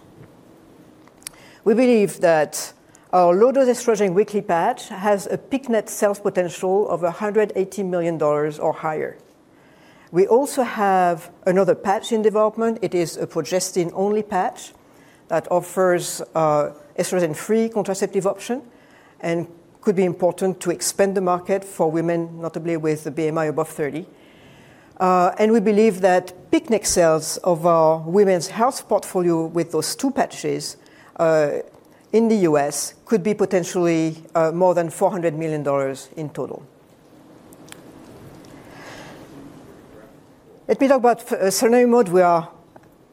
E: We believe that our low-dose estrogen weekly patch has a peak net sales potential of $180 million or higher. We also have another patch in development. It is a progestin-only patch that offers an estrogen-free contraceptive option and could be important to expand the market for women, notably with a BMI above 30. We believe that peak net sales of our women's health portfolio with those two patches in the US could be potentially more than $400 million in total. Let me talk about cenerimod. We are,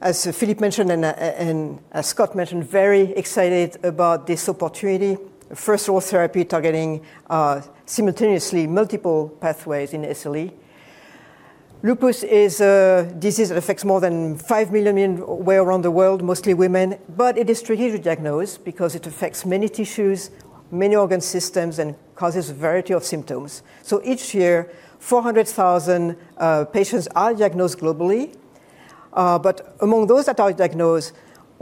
E: as Philippe mentioned, and as Scott mentioned, very excited about this opportunity. First oral therapy targeting simultaneously multiple pathways in SLE. Lupus is a disease that affects more than 5 million worldwide, mostly women, but it is tricky to diagnose because it affects many tissues, many organ systems, and causes a variety of symptoms. Each year, 400,000 patients are diagnosed globally. But among those that are diagnosed,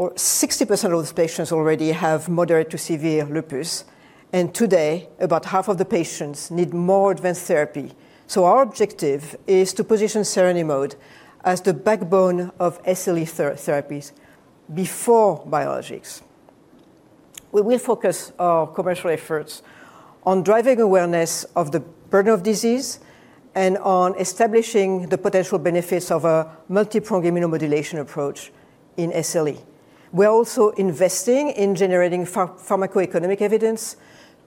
E: over 60% of those patients already have moderate to severe lupus, and today, about half of the patients need more advanced therapy. Our objective is to position cenerimod as the backbone of SLE therapies before biologics. We will focus our commercial efforts on driving awareness of the burden of disease and on establishing the potential benefits of a multipronged immunomodulation approach in SLE. We are also investing in generating pharmacoeconomic evidence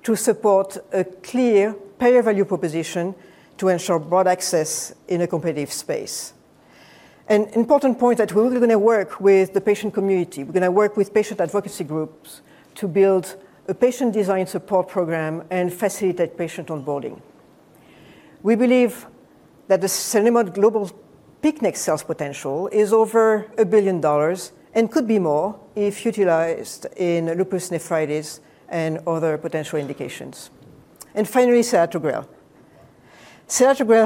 E: to support a clear payer value proposition to ensure broad access in a competitive space. An important point that we're going to work with the patient community. We're going to work with patient advocacy groups to build a patient design support program and facilitate patient onboarding. We believe that the cenerimod global peak net sales potential is over $1 billion and could be more if utilized in lupus nephritis and other potential indications. Finally, selatogrel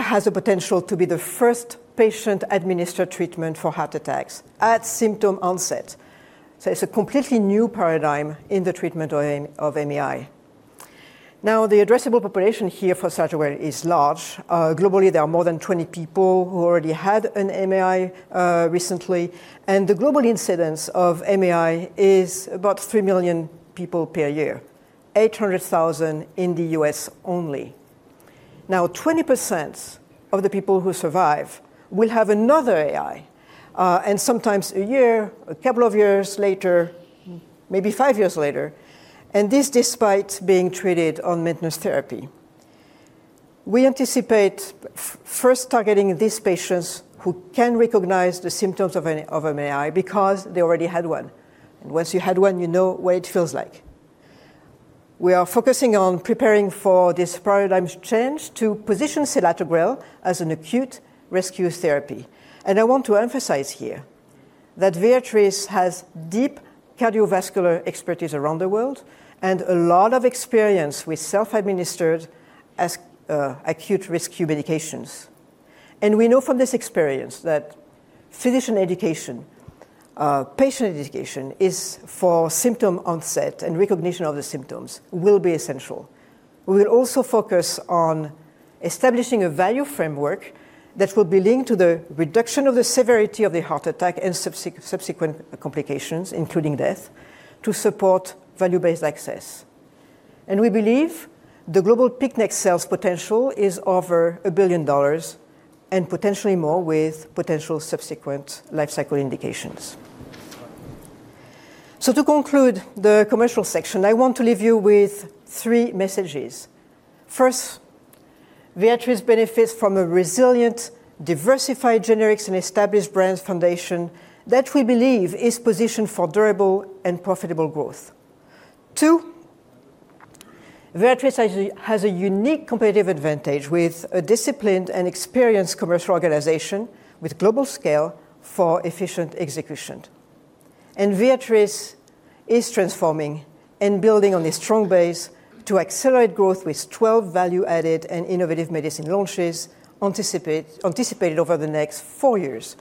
E: has the potential to be the first patient-administered treatment for heart attacks at symptom onset. It's a completely new paradigm in the treatment of MI. Now, the addressable population here for selatogrel is large. Globally, there are more than 20 million people who already had an MI recently, and the global incidence of MI is about 3 million people per year, 800,000 in the U.S. only. Now, 20% of the people who survive will have another MI, and sometimes a year, a couple of years later, maybe 5 years later, and this despite being treated on maintenance therapy. We anticipate first targeting these patients who can recognize the symptoms of an MI because they already had one. Once you had one, you know what it feels like. We are focusing on preparing for this paradigm change to position selatogrel as an acute rescue therapy. I want to emphasize here that Viatris has deep cardiovascular expertise around the world and a lot of experience with self-administered acute rescue medications. We know from this experience that physician education, patient education is for symptom onset and recognition of the symptoms will be essential. We will also focus on establishing a value framework that will be linked to the reduction of the severity of the heart attack and subsequent complications, including death, to support value-based access. We believe the global peak net sales potential is over $1 billion and potentially more with potential subsequent lifecycle indications. To conclude the commercial section, I want to leave you with three messages. First, Viatris benefits from a resilient, diversified generics and established brands foundation that we believe is positioned for durable and profitable growth. Two, Viatris has a unique competitive advantage with a disciplined and experienced commercial organization with global scale for efficient execution. Viatris is transforming and building on a strong base to accelerate growth with 12 value-added and innovative medicine launches anticipated over the next 4 years.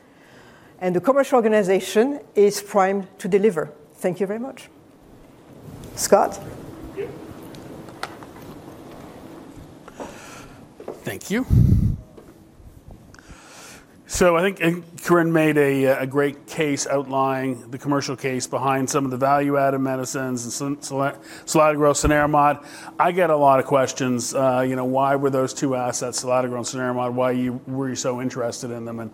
E: The commercial organization is primed to deliver. Thank you very much. Scott?
C: I think Corinne made a great case outlining the commercial case behind some of the value-added medicines and selatogrel, cenerimod. I get a lot of questions, you know, why were those two assets, selatogrel and cenerimod, why were you so interested in them?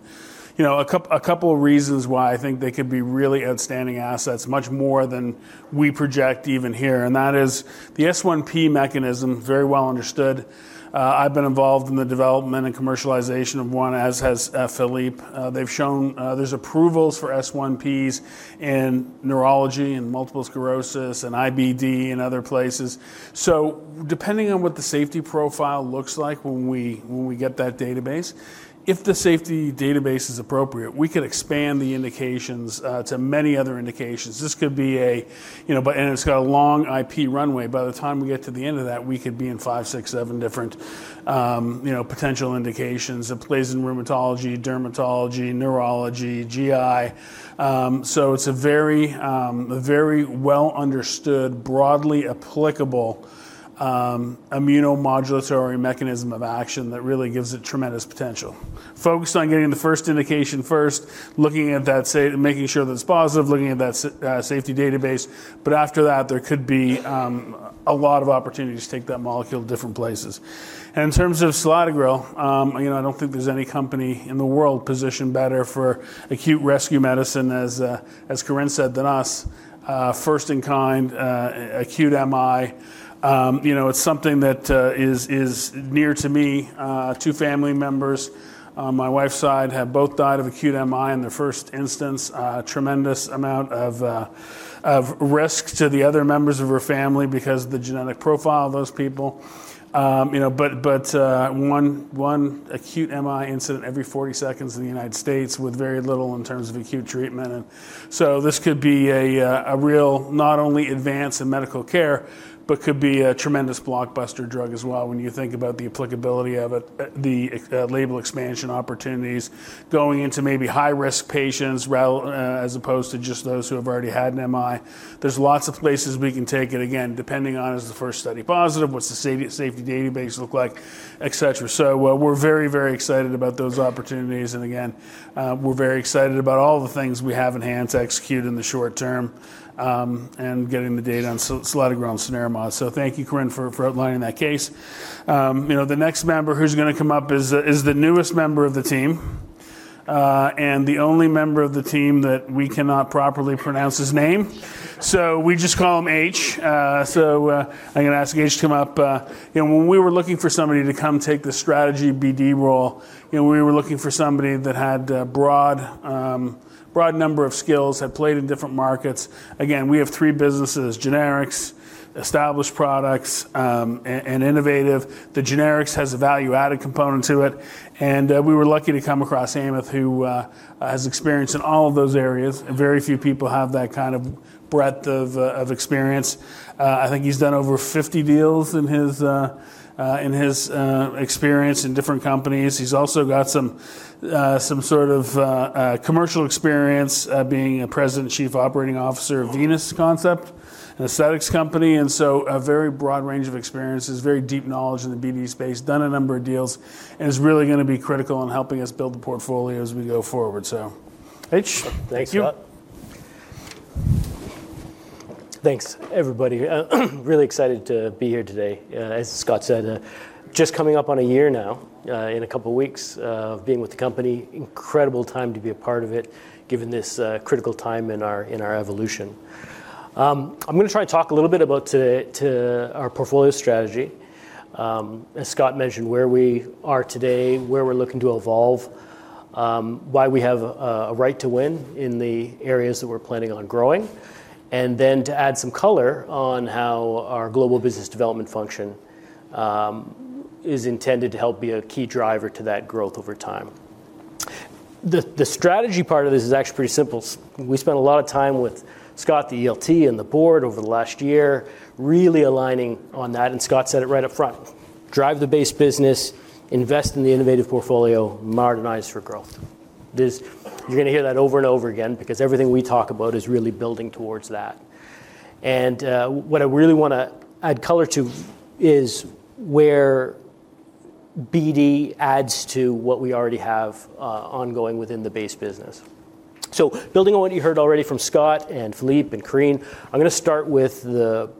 C: You know, a couple of reasons why I think they could be really outstanding assets, much more than we project even here. That is the S1P mechanism, very well understood. I've been involved in the development and commercialization of one, as has Philippe. They've shown, there's approvals for S1Ps in neurology and multiple sclerosis and IBD and other places. Depending on what the safety profile looks like when we get that database, if the safety database is appropriate, we could expand the indications to many other indications. It's got a long IP runway. By the time we get to the end of that, we could be in five, six, seven different potential indications. It plays in rheumatology, dermatology, neurology, GI, so it's a very well understood, broadly applicable, immunomodulatory mechanism of action that really gives it tremendous potential. Focused on getting the first indication first, looking at that safety database. After that, there could be a lot of opportunities to take that molecule different places. In terms of selatogrel, I don't think there's any company in the world positioned better for acute rescue medicine as Corinne said, than us. First in kind, acute MI. You know, it's something that is near to me. Two family members on my wife's side have both died of acute MI in the first instance. Tremendous amount of risk to the other members of her family because of the genetic profile of those people. You know, one acute MI incident every 40 seconds in the United States with very little in terms of acute treatment. This could be a real not only advance in medical care, but a tremendous blockbuster drug as well when you think about the applicability of it, the label expansion opportunities, going into maybe high-risk patients as opposed to just those who have already had an MI. There's lots of places we can take it. Again, depending on if the first study is positive, what's the safety database look like, et cetera. We're very excited about those opportunities. Again, we're very excited about all the things we have in hand to execute in the short term, and getting the data on selatogrel and cenerimod. Thank you, Corinne, for outlining that case. You know, the next member who's gonna come up is the newest member of the team. The only member of the team that we cannot properly pronounce his name, so we just call him H. I'm gonna ask H to come up. You know, when we were looking for somebody to come take the strategy BD role, you know, we were looking for somebody that had a broad number of skills, had played in different markets. Again, we have three businesses: generics, established products, and innovative. The generics has a value-added component to it. We were lucky to come across Hemanth, who has experience in all of those areas, and very few people have that kind of breadth of experience. I think he's done over 50 deals in his experience in different companies. He's also got some sort of commercial experience, being a president and chief operating officer of Venus Concept, an aesthetics company, and so a very broad range of experiences, very deep knowledge in the BD space, done a number of deals, and is really gonna be critical in helping us build the portfolio as we go forward. Hemanth, thank you.
F: Thanks, Scott. Thanks, everybody. Really excited to be here today. As Scott said, just coming up on a year now, in a couple weeks, of being with the company. Incredible time to be a part of it, given this critical time in our evolution. I'm gonna try to talk a little bit about today to our portfolio strategy. As Scott mentioned, where we are today, where we're looking to evolve, why we have a right to win in the areas that we're planning on growing, and then to add some color on how our global business development function is intended to help be a key driver to that growth over time. The strategy part of this is actually pretty simple. We spent a lot of time with Scott, the ELT, and the board over the last year, really aligning on that, and Scott said it right up front, "Drive the base business, invest in the innovative portfolio, modernize for growth." This. You're gonna hear that over and over again because everything we talk about is really building towards that. What I really wanna add color to is where BD adds to what we already have ongoing within the base business. Building on what you heard already from Scott and Philippe and Corinne, I'm gonna start with the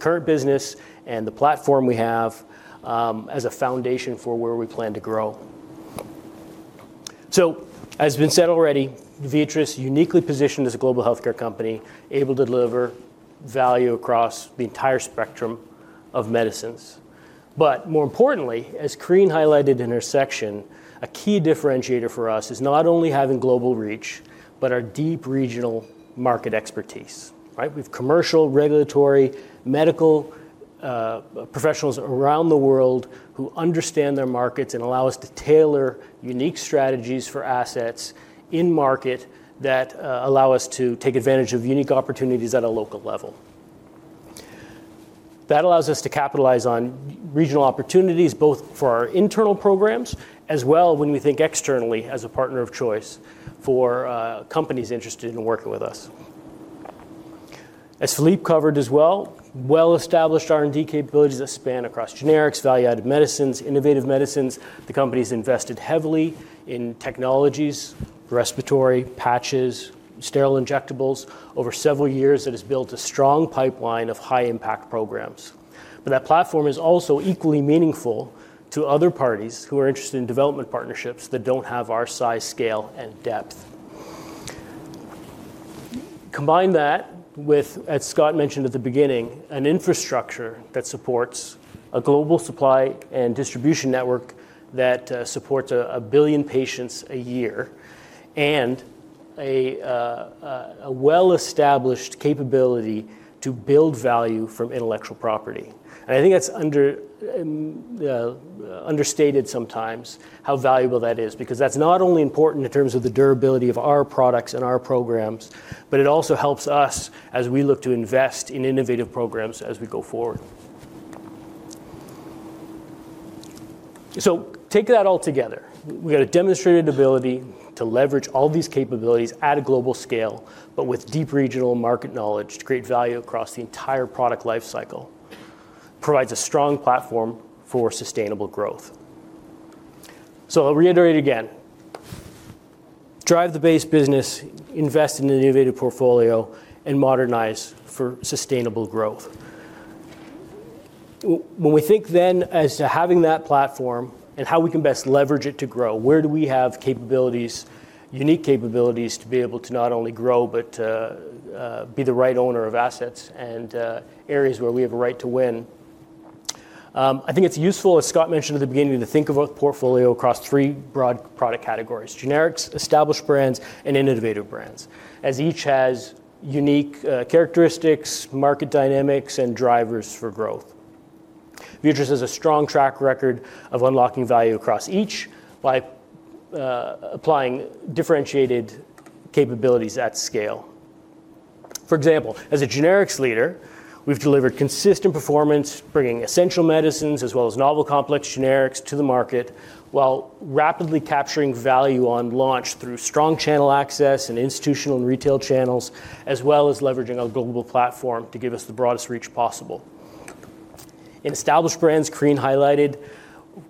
F: current business and the platform we have as a foundation for where we plan to grow. As has been said already, Viatris is uniquely positioned as a global healthcare company, able to deliver value across the entire spectrum of medicines. More importantly, as Corinne highlighted in her section, a key differentiator for us is not only having global reach, but our deep regional market expertise, right? With commercial, regulatory, medical professionals around the world who understand their markets and allow us to tailor unique strategies for assets in market that allow us to take advantage of unique opportunities at a local level. That allows us to capitalize on regional opportunities, both for our internal programs, as well when we think externally as a partner of choice for companies interested in working with us. As Philippe covered as well, well-established R&D capabilities that span across generics, value-added medicines, innovative medicines. The company's invested heavily in technologies, respiratory, patches, sterile injectables. Over several years, it has built a strong pipeline of high-impact programs. That platform is also equally meaningful to other parties who are interested in development partnerships that don't have our size, scale, and depth. Combine that with, as Scott mentioned at the beginning, an infrastructure that supports a global supply and distribution network that supports 1 billion patients a year, and a well-established capability to build value from intellectual property. I think that's understated sometimes how valuable that is, because that's not only important in terms of the durability of our products and our programs, but it also helps us as we look to invest in innovative programs as we go forward. Take that all together. We got a demonstrated ability to leverage all these capabilities at a global scale, but with deep regional market knowledge to create value across the entire product life cycle, provides a strong platform for sustainable growth. I'll reiterate again. Drive the base business, invest in an innovative portfolio, and modernize for sustainable growth. When we think then as to having that platform and how we can best leverage it to grow, where do we have capabilities, unique capabilities to be able to not only grow but be the right owner of assets and areas where we have a right to win? I think it's useful, as Scott mentioned at the beginning, to think of our portfolio across three broad product categories, generics, established brands, and innovative brands, as each has unique characteristics, market dynamics, and drivers for growth. Viatris has a strong track record of unlocking value across each by applying differentiated capabilities at scale. For example, as a generics leader, we've delivered consistent performance, bringing essential medicines as well as novel complex generics to the market, while rapidly capturing value on launch through strong channel access and institutional and retail channels, as well as leveraging our global platform to give us the broadest reach possible. In established brands, Corinne highlighted,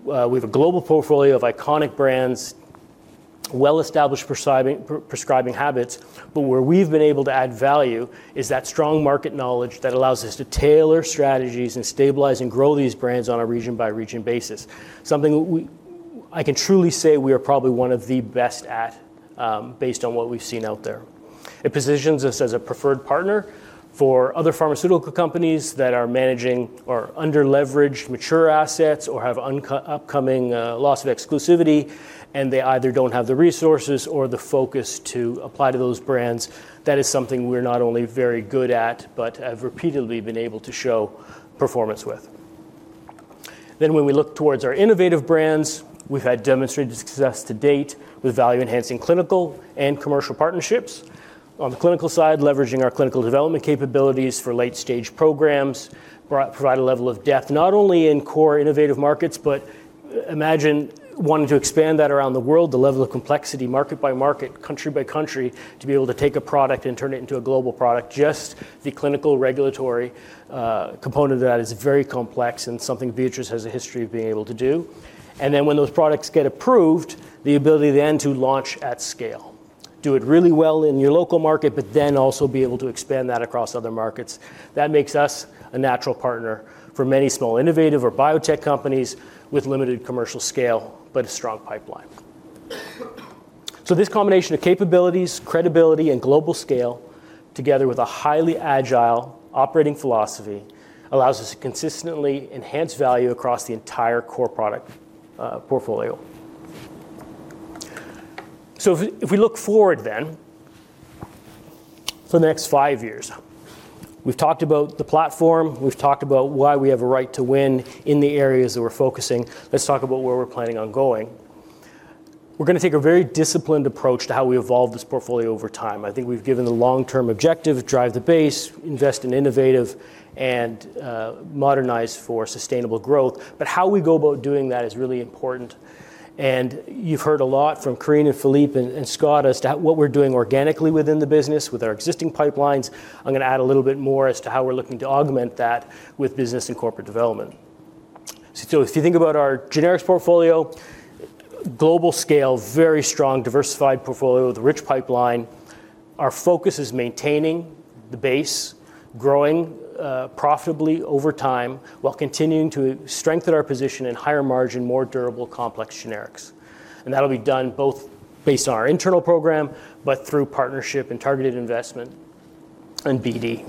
F: we have a global portfolio of iconic brands, well-established prescribing habits, but where we've been able to add value is that strong market knowledge that allows us to tailor strategies and stabilize and grow these brands on a region by region basis, something we can truly say we are probably one of the best at, based on what we've seen out there. It positions us as a preferred partner for other pharmaceutical companies that are managing or under-leveraged mature assets or have upcoming loss of exclusivity, and they either don't have the resources or the focus to apply to those brands. That is something we're not only very good at, but have repeatedly been able to show performance with. When we look towards our innovative brands, we've had demonstrated success to date with value-enhancing clinical and commercial partnerships. On the clinical side, leveraging our clinical development capabilities for late-stage programs provide a level of depth, not only in core innovative markets, but imagine wanting to expand that around the world, the level of complexity market by market, country by country, to be able to take a product and turn it into a global product. Just the clinical regulatory component of that is very complex and something Viatris has a history of being able to do. Then when those products get approved, the ability then to launch at scale, do it really well in your local market, but then also be able to expand that across other markets. That makes us a natural partner for many small innovative or biotech companies with limited commercial scale, but a strong pipeline. This combination of capabilities, credibility, and global scale, together with a highly agile operating philosophy, allows us to consistently enhance value across the entire core product portfolio. If we look forward then for the next five years, we've talked about the platform, we've talked about why we have a right to win in the areas that we're focusing. Let's talk about where we're planning on going. We're gonna take a very disciplined approach to how we evolve this portfolio over time. I think we've given the long-term objective, drive the base, invest in innovative, and modernize for sustainable growth. How we go about doing that is really important. You've heard a lot from Corinne and Philippe and Scott as to how what we're doing organically within the business with our existing pipelines. I'm gonna add a little bit more as to how we're looking to augment that with business and corporate development. If you think about our generics portfolio, global scale, very strong diversified portfolio with a rich pipeline, our focus is maintaining the base, growing profitably over time while continuing to strengthen our position in higher margin, more durable, complex generics. That'll be done both based on our internal program, but through partnership and targeted investment and BD.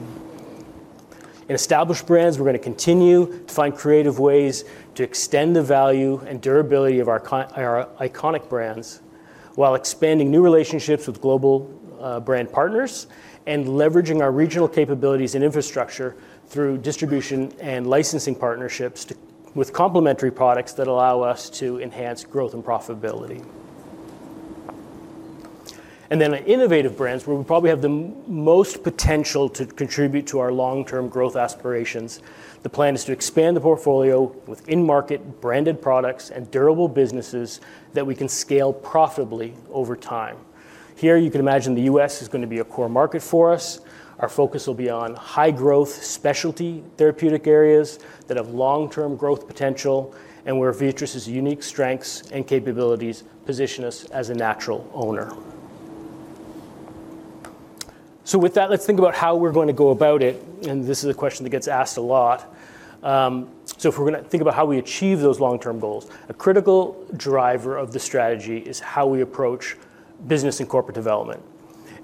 F: In established brands, we're gonna continue to find creative ways to extend the value and durability of our our iconic brands while expanding new relationships with global, brand partners and leveraging our regional capabilities and infrastructure through distribution and licensing partnerships with complementary products that allow us to enhance growth and profitability. In innovative brands, where we probably have the most potential to contribute to our long-term growth aspirations, the plan is to expand the portfolio with in-market branded products and durable businesses that we can scale profitably over time. Here, you can imagine the U.S. is gonna be a core market for us. Our focus will be on high-growth specialty therapeutic areas that have long-term growth potential, and where Viatris' unique strengths and capabilities position us as a natural owner. With that, let's think about how we're going to go about it, and this is a question that gets asked a lot. If we're gonna think about how we achieve those long-term goals, a critical driver of the strategy is how we approach business and corporate development.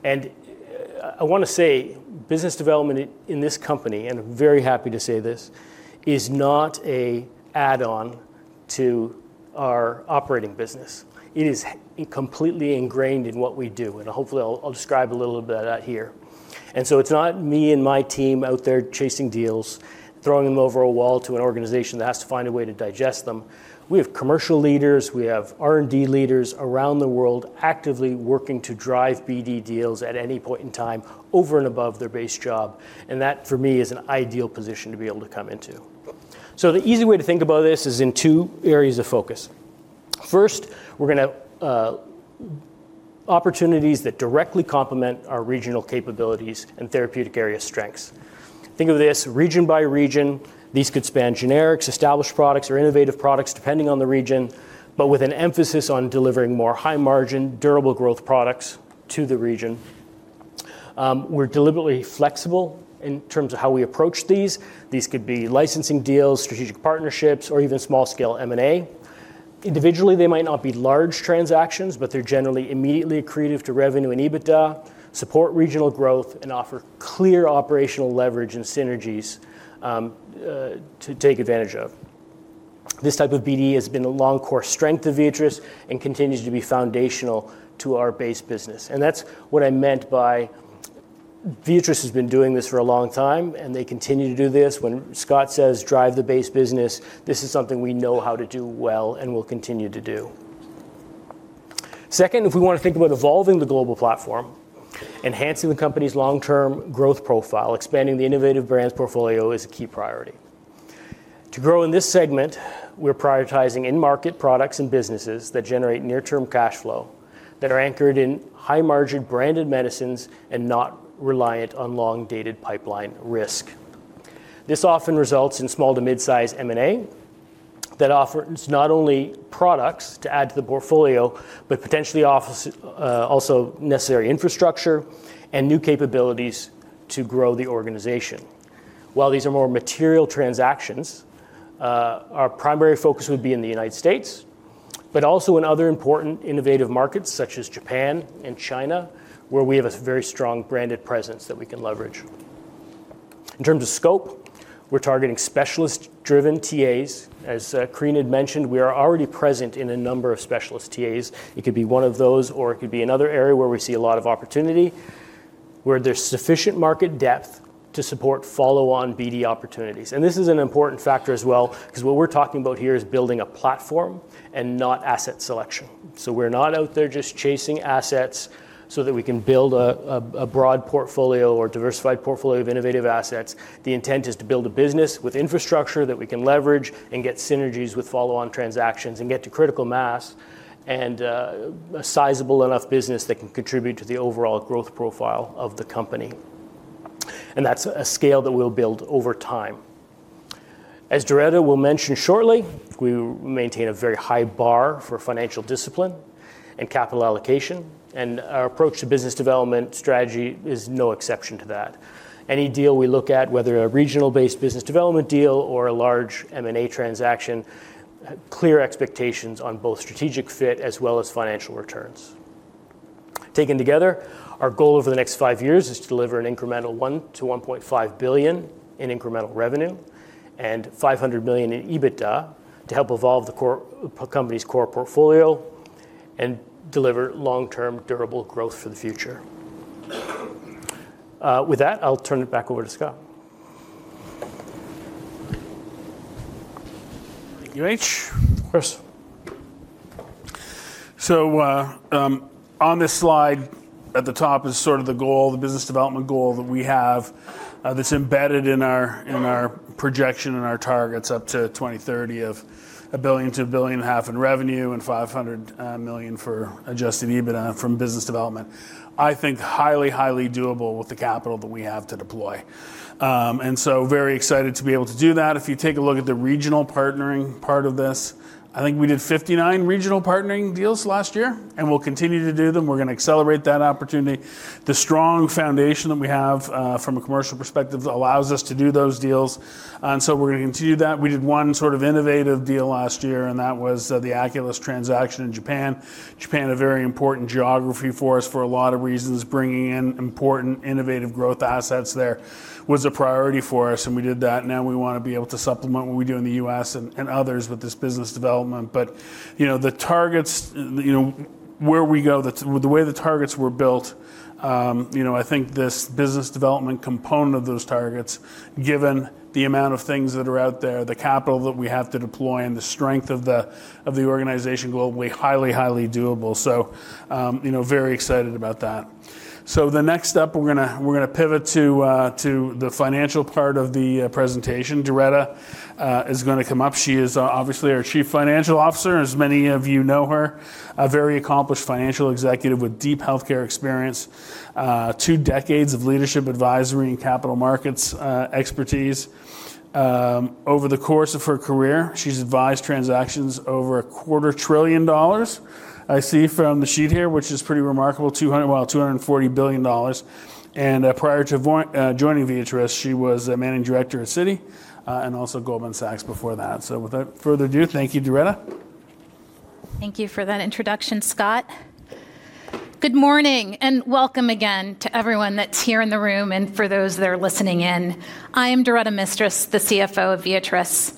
F: I want to say business development in this company, and I'm very happy to say this, is not an add-on to our operating business. It is completely ingrained in what we do, and hopefully I'll describe a little bit of that here. It's not me and my team out there chasing deals, throwing them over a wall to an organization that has to find a way to digest them. We have commercial leaders, we have R&D leaders around the world actively working to drive BD deals at any point in time over and above their base job, and that for me is an ideal position to be able to come into. The easy way to think about this is in two areas of focus. First, opportunities that directly complement our regional capabilities and therapeutic area strengths. Think of this region by region. These could span generics, established products, or innovative products depending on the region, but with an emphasis on delivering more high margin, durable growth products to the region. We're deliberately flexible in terms of how we approach these. These could be licensing deals, strategic partnerships, or even small-scale M&A. Individually, they might not be large transactions, but they're generally immediately accretive to revenue and EBITDA, support regional growth, and offer clear operational leverage and synergies to take advantage of. This type of BD has been a long core strength of Viatris and continues to be foundational to our base business, and that's what I meant by Viatris has been doing this for a long time, and they continue to do this. When Scott says, "Drive the base business," this is something we know how to do well and will continue to do. Second, if we wanna think about evolving the global platform, enhancing the company's long-term growth profile, expanding the innovative brands portfolio is a key priority. To grow in this segment, we're prioritizing in-market products and businesses that generate near-term cash flow, that are anchored in high-margin branded medicines and not reliant on long-dated pipeline risk. This often results in small to mid-size M&A that offers not only products to add to the portfolio, but potentially also necessary infrastructure and new capabilities to grow the organization. While these are more material transactions, our primary focus would be in the United States, but also in other important innovative markets such as Japan and China, where we have a very strong branded presence that we can leverage. In terms of scope, we're targeting specialist-driven TAs. As Corinne had mentioned, we are already present in a number of specialist TAs. It could be one of those, or it could be another area where we see a lot of opportunity, where there's sufficient market depth to support follow-on BD opportunities. This is an important factor as well 'cause what we're talking about here is building a platform and not asset selection. We're not out there just chasing assets so that we can build a broad portfolio or diversified portfolio of innovative assets. The intent is to build a business with infrastructure that we can leverage and get synergies with follow-on transactions and get to critical mass and a sizable enough business that can contribute to the overall growth profile of the company. That's a scale that we'll build over time. As Doretta will mention shortly, we maintain a very high bar for financial discipline and capital allocation, and our approach to business development strategy is no exception to that. Any deal we look at, whether a regional-based business development deal or a large M&A transaction, clear expectations on both strategic fit as well as financial returns. Taken together, our goal over the next five years is to deliver an incremental $1 billion-$1.5 billion in incremental revenue and $500 million in EBITDA to help evolve the company's core portfolio and deliver long-term durable growth for the future. With that, I'll turn it back over to Scott.
C: Thank you, Hemanth.
F: Of course.
C: On this slide at the top is sort of the goal, the business development goal that we have, that's embedded in our projection and our targets up to 2030 of $1 billion-$1.5 billion in revenue and $500 million for adjusted EBITDA from business development. I think highly doable with the capital that we have to deploy. Very excited to be able to do that. If you take a look at the regional partnering part of this, I think we did 59 regional partnering deals last year, and we'll continue to do them. We're gonna accelerate that opportunity. The strong foundation that we have from a commercial perspective allows us to do those deals. We're gonna continue that we did one sort of innovative deal last year, and that was the Aculys transaction in Japan. Japan, a very important geography for us for a lot of reasons. Bringing in important innovative growth assets there was a priority for us, and we did that. Now we wanna be able to supplement what we do in the U.S. and others with this business development. You know, the targets, you know, where we go, the way the targets were built, you know, I think this business development component of those targets, given the amount of things that are out there, the capital that we have to deploy, and the strength of the organization globally, highly doable. You know, very excited about that. The next step, we're gonna pivot to the financial part of the presentation. Doretta is gonna come up. She is obviously our Chief Financial Officer, as many of you know her. A very accomplished financial executive with deep healthcare experience, two decades of leadership advisory and capital markets expertise. Over the course of her career, she's advised transactions over a quarter trillion dollars, I see from the sheet here, which is pretty remarkable. Wow, $240 billion. Prior to joining Viatris, she was a managing director at Citi, and also Goldman Sachs before that. Without further ado, thank you, Doretta.
G: Thank you for that introduction, Scott. Good morning, and welcome again to everyone that's here in the room and for those that are listening in. I am Doretta Mistras, the CFO of Viatris.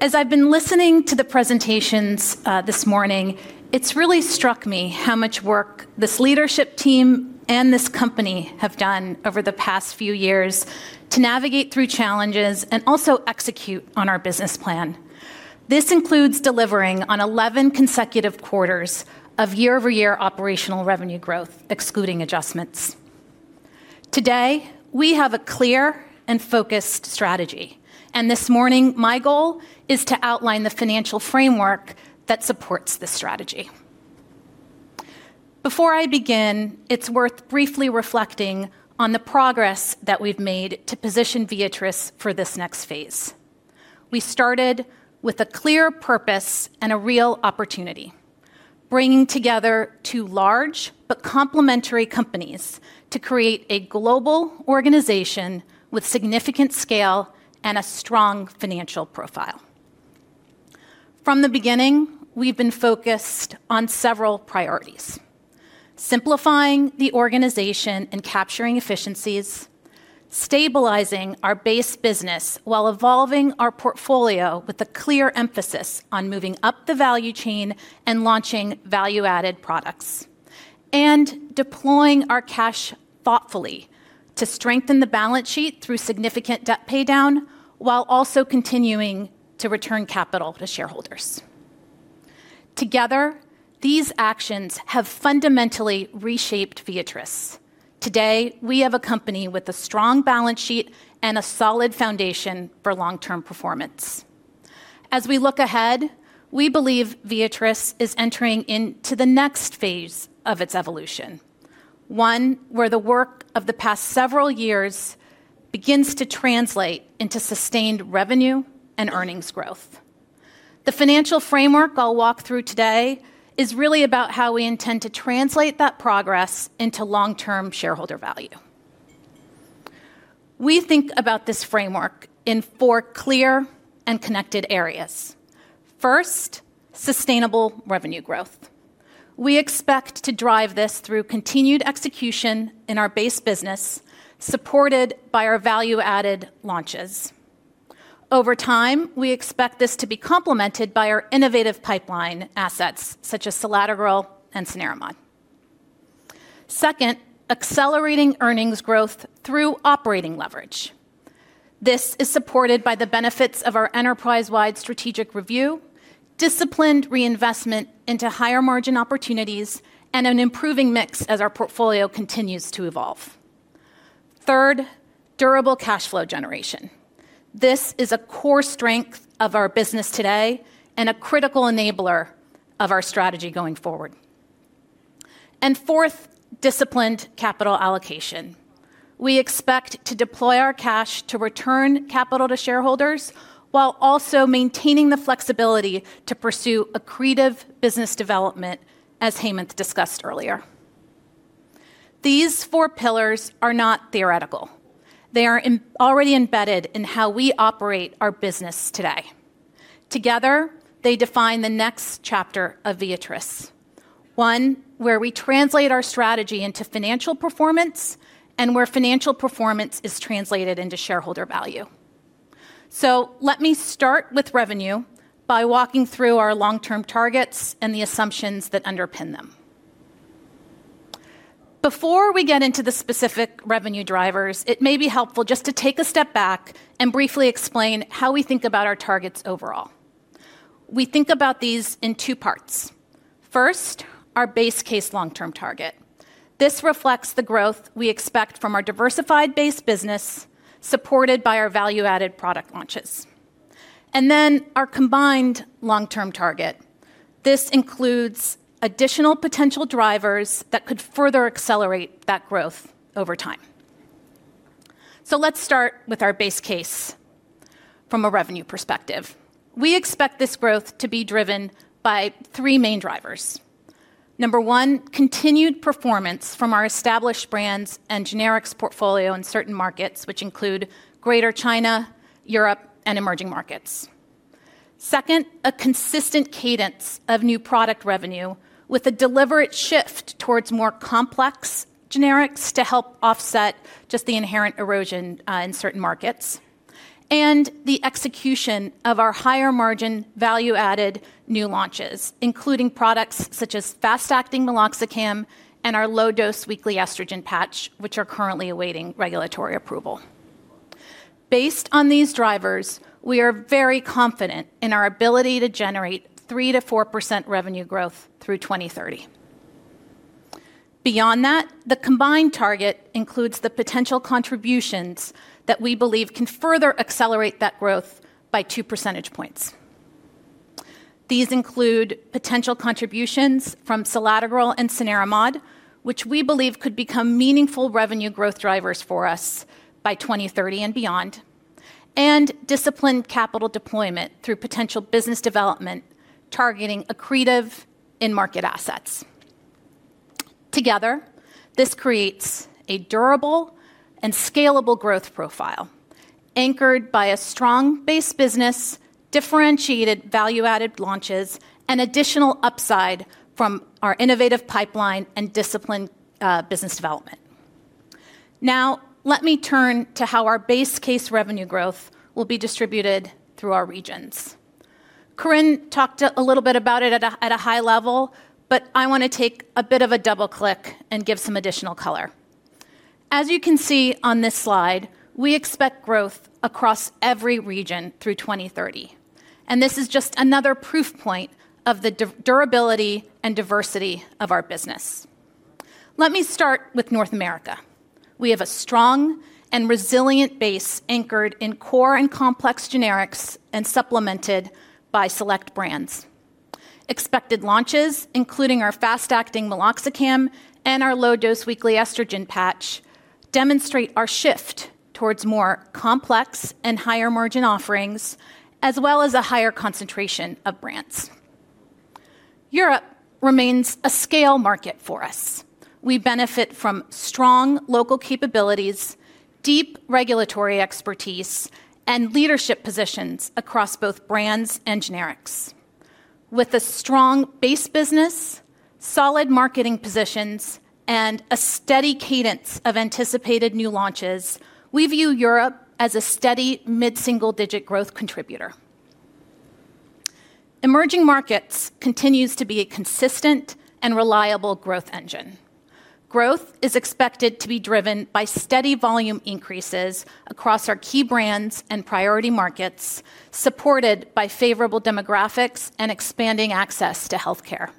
G: As I've been listening to the presentations, this morning, it's really struck me how much work this leadership team and this company have done over the past few years to navigate through challenges and also execute on our business plan. This includes delivering on 11 consecutive quarters of year-over-year operational revenue growth, excluding adjustments. Today, we have a clear and focused strategy, and this morning, my goal is to outline the financial framework that supports this strategy. Before I begin, it's worth briefly reflecting on the progress that we've made to position Viatris for this next phase. We started with a clear purpose and a real opportunity, bringing together two large but complementary companies to create a global organization with significant scale and a strong financial profile. From the beginning, we've been focused on several priorities. Simplifying the organization and capturing efficiencies, stabilizing our base business while evolving our portfolio with a clear emphasis on moving up the value chain and launching value-added products, and deploying our cash thoughtfully to strengthen the balance sheet through significant debt paydown while also continuing to return capital to shareholders. Together, these actions have fundamentally reshaped Viatris. Today, we have a company with a strong balance sheet and a solid foundation for long-term performance. As we look ahead, we believe Viatris is entering into the next phase of its evolution, one where the work of the past several years begins to translate into sustained revenue and earnings growth. The financial framework I'll walk through today is really about how we intend to translate that progress into long-term shareholder value. We think about this framework in four clear and connected areas. First, sustainable revenue growth. We expect to drive this through continued execution in our base business, supported by our value-added launches. Over time, we expect this to be complemented by our innovative pipeline assets, such as selatogrel and cenerimod. Second, accelerating earnings growth through operating leverage. This is supported by the benefits of our enterprise-wide strategic review, disciplined reinvestment into higher margin opportunities, and an improving mix as our portfolio continues to evolve. Third, durable cash flow generation. This is a core strength of our business today and a critical enabler of our strategy going forward. Fourth, disciplined capital allocation. We expect to deploy our cash to return capital to shareholders while also maintaining the flexibility to pursue accretive business development, as Hemanth discussed earlier. These four pillars are not theoretical. They are already embedded in how we operate our business today. Together, they define the next chapter of Viatris, one where we translate our strategy into financial performance and where financial performance is translated into shareholder value. Let me start with revenue by walking through our long-term targets and the assumptions that underpin them. Before we get into the specific revenue drivers, it may be helpful just to take a step back and briefly explain how we think about our targets overall. We think about these in two parts. First, our base case long-term target. This reflects the growth we expect from our diversified base business supported by our value-added product launches. Our combined long-term target. This includes additional potential drivers that could further accelerate that growth over time. Let's start with our base case from a revenue perspective. We expect this growth to be driven by three main drivers. Number 1, continued performance from our established brands and generics portfolio in certain markets, which include Greater China, Europe, and emerging markets. Second, a consistent cadence of new product revenue with a deliberate shift towards more complex generics to help offset just the inherent erosion in certain markets. The execution of our higher margin value-added new launches, including products such as fast-acting meloxicam and our low-dose weekly estrogen patch, which are currently awaiting regulatory approval. Based on these drivers, we are very confident in our ability to generate 3%-4% revenue growth through 2030. Beyond that, the combined target includes the potential contributions that we believe can further accelerate that growth by two percentage points. These include potential contributions from selatogrel and cenerimod, which we believe could become meaningful revenue growth drivers for us by 2030 and beyond, and disciplined capital deployment through potential business development targeting accretive in-market assets. Together, this creates a durable and scalable growth profile anchored by a strong base business, differentiated value-added launches, and additional upside from our innovative pipeline and disciplined business development. Now, let me turn to how our base case revenue growth will be distributed through our regions. Corinne talked a little bit about it at a high level, but I wanna take a bit of a double click and give some additional color. As you can see on this slide, we expect growth across every region through 2030, and this is just another proof point of the durability and diversity of our business. Let me start with North America. We have a strong and resilient base anchored in core and complex generics and supplemented by select brands. Expected launches, including our fast-acting meloxicam and our low-dose weekly estrogen patch, demonstrate our shift towards more complex and higher margin offerings, as well as a higher concentration of brands. Europe remains a scale market for us. We benefit from strong local capabilities, deep regulatory expertise, and leadership positions across both brands and generics. With a strong base business, solid marketing positions, and a steady cadence of anticipated new launches, we view Europe as a steady mid-single-digit growth contributor. Emerging markets continues to be a consistent and reliable growth engine. Growth is expected to be driven by steady volume increases across our key brands and priority markets, supported by favorable demographics and expanding access to healthcare.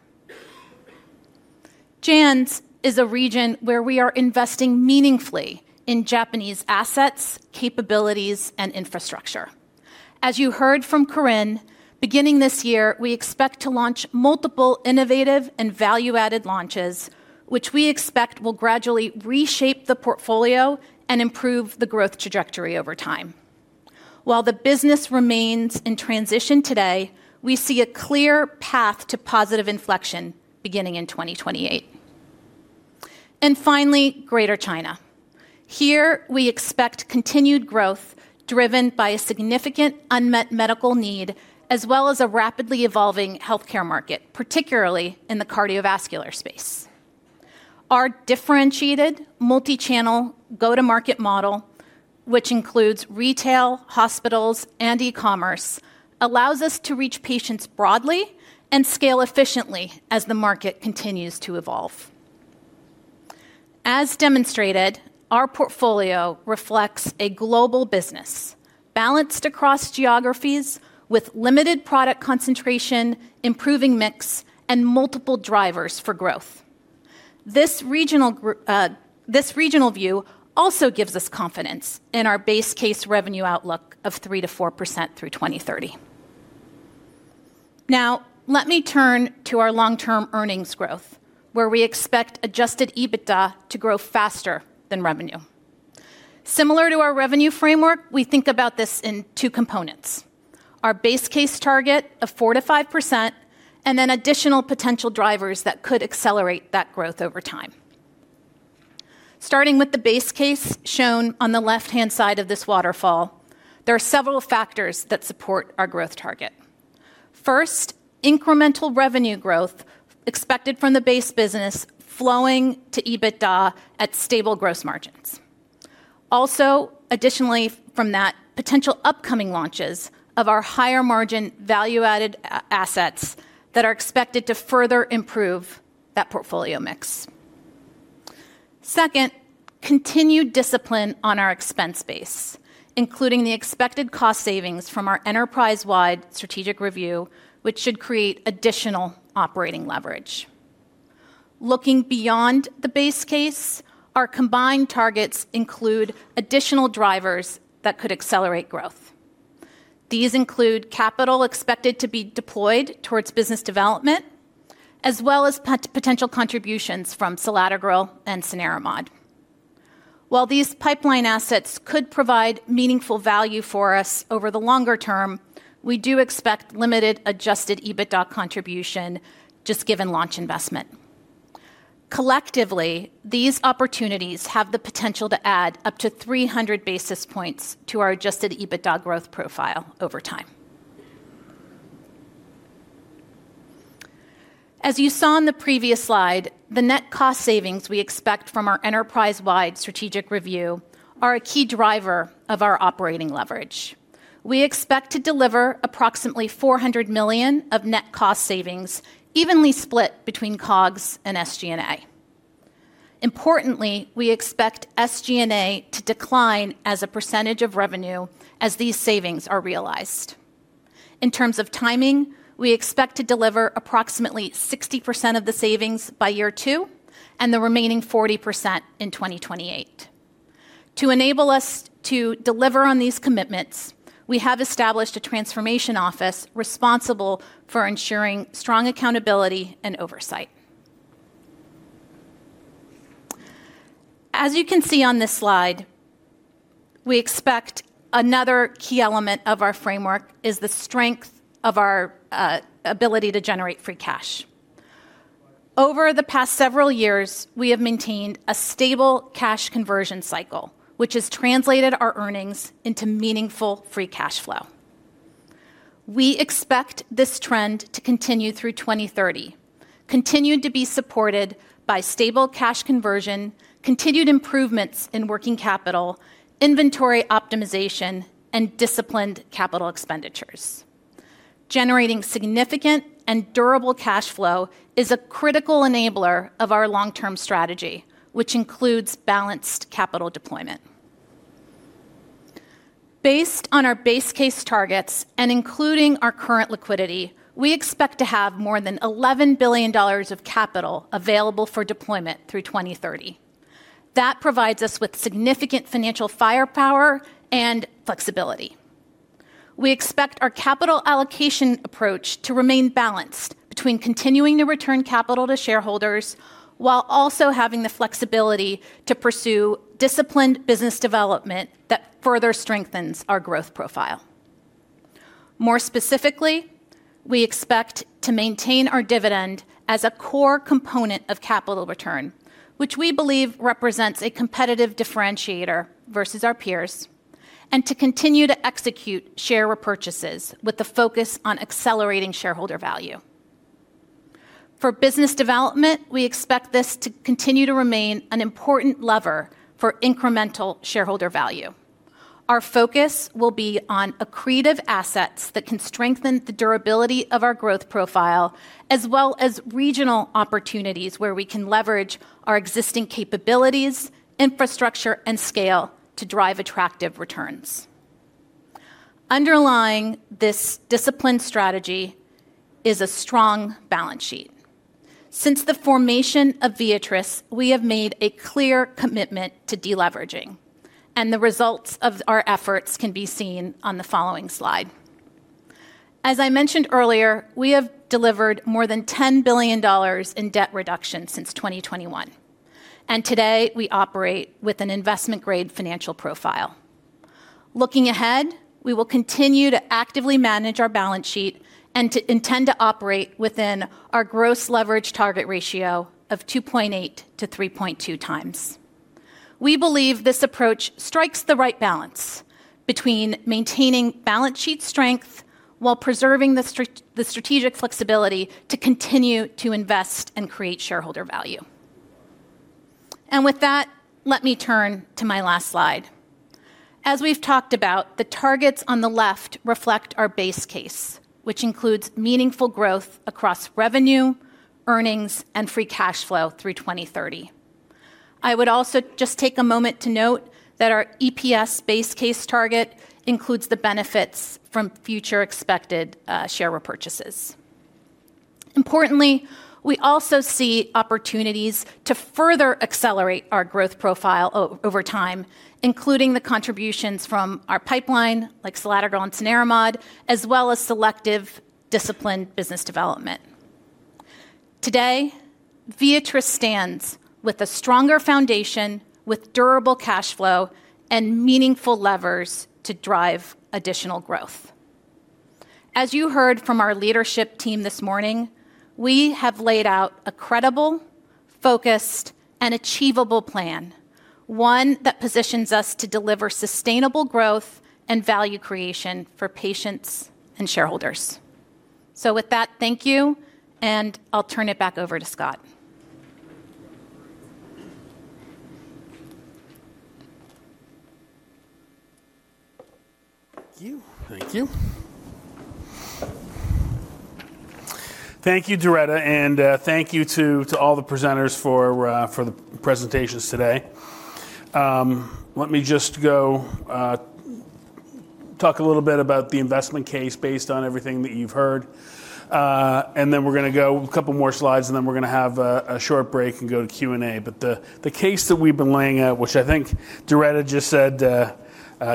G: JANZ is a region where we are investing meaningfully in Japanese assets, capabilities, and infrastructure. As you heard from Corinne, beginning this year, we expect to launch multiple innovative and value-added launches, which we expect will gradually reshape the portfolio and improve the growth trajectory over time. While the business remains in transition today, we see a clear path to positive inflection beginning in 2028. Finally, Greater China. Here, we expect continued growth driven by a significant unmet medical need as well as a rapidly evolving healthcare market, particularly in the cardiovascular space. Our differentiated multi-channel go-to-market model, which includes retail, hospitals, and e-commerce, allows us to reach patients broadly and scale efficiently as the market continues to evolve. As demonstrated, our portfolio reflects a global business balanced across geographies with limited product concentration, improving mix, and multiple drivers for growth. This regional view also gives us confidence in our base case revenue outlook of 3%-4% through 2030. Now let me turn to our long-term earnings growth, where we expect adjusted EBITDA to grow faster than revenue. Similar to our revenue framework, we think about this in two components, our base case target of 4%-5% and then additional potential drivers that could accelerate that growth over time. Starting with the base case shown on the left-hand side of this waterfall, there are several factors that support our growth target. First, incremental revenue growth expected from the base business flowing to EBITDA at stable gross margins. Also additionally from that, potential upcoming launches of our higher margin value-added assets that are expected to further improve that portfolio mix. Second, continued discipline on our expense base, including the expected cost savings from our enterprise-wide strategic review, which should create additional operating leverage. Looking beyond the base case, our combined targets include additional drivers that could accelerate growth. These include capital expected to be deployed towards business development, as well as potential contributions from selatogrel and cenerimod. While these pipeline assets could provide meaningful value for us over the longer term, we do expect limited adjusted EBITDA contribution just given launch investment. Collectively, these opportunities have the potential to add up to 300 basis points to our adjusted EBITDA growth profile over time. As you saw in the previous slide, the net cost savings we expect from our enterprise-wide strategic review are a key driver of our operating leverage. We expect to deliver approximately $400 million of net cost savings evenly split between COGS and SG&A. Importantly, we expect SG&A to decline as a percentage of revenue as these savings are realized. In terms of timing, we expect to deliver approximately 60% of the savings by year two and the remaining 40% in 2028. To enable us to deliver on these commitments, we have established a transformation office responsible for ensuring strong accountability and oversight. As you can see on this slide, we expect another key element of our framework is the strength of our ability to generate free cash. Over the past several years, we have maintained a stable cash conversion cycle, which has translated our earnings into meaningful free cash flow. We expect this trend to continue through 2030, continued to be supported by stable cash conversion, continued improvements in working capital, inventory optimization, and disciplined capital expenditures. Generating significant and durable cash flow is a critical enabler of our long-term strategy, which includes balanced capital deployment. Based on our base case targets and including our current liquidity, we expect to have more than $11 billion of capital available for deployment through 2030. That provides us with significant financial firepower and flexibility. We expect our capital allocation approach to remain balanced between continuing to return capital to shareholders while also having the flexibility to pursue disciplined business development that further strengthens our growth profile. More specifically, we expect to maintain our dividend as a core component of capital return, which we believe represents a competitive differentiator versus our peers, and to continue to execute share repurchases with the focus on accelerating shareholder value. For business development, we expect this to continue to remain an important lever for incremental shareholder value. Our focus will be on accretive assets that can strengthen the durability of our growth profile, as well as regional opportunities where we can leverage our existing capabilities, infrastructure, and scale to drive attractive returns. Underlying this disciplined strategy is a strong balance sheet. Since the formation of Viatris, we have made a clear commitment to deleveraging, and the results of our efforts can be seen on the following slide. As I mentioned earlier, we have delivered more than $10 billion in debt reduction since 2021, and today we operate with an investment-grade financial profile. Looking ahead, we will continue to actively manage our balance sheet and we intend to operate within our gross leverage target ratio of 2.8-3.2x. We believe this approach strikes the right balance between maintaining balance sheet strength while preserving the strategic flexibility to continue to invest and create shareholder value. With that, let me turn to my last slide. As we've talked about, the targets on the left reflect our base case, which includes meaningful growth across revenue, earnings, and free cash flow through 2030. I would also just take a moment to note that our EPS base case target includes the benefits from future expected share repurchases. Importantly, we also see opportunities to further accelerate our growth profile over time, including the contributions from our pipeline, like selatogrel and cenerimod, as well as selective disciplined business development. Today, Viatris stands with a stronger foundation with durable cash flow and meaningful levers to drive additional growth. As you heard from our leadership team this morning, we have laid out a credible, focused, and achievable plan, one that positions us to deliver sustainable growth and value creation for patients and shareholders. With that, thank you, and I'll turn it back over to Scott.
C: Thank you, Doretta, and thank you to all the presenters for the presentations today. Let me just go talk a little bit about the investment case based on everything that you've heard. Then we're gonna go a couple more slides, and then we're gonna have a short break and go to Q&A. The case that we've been laying out, which I think Doretta just said,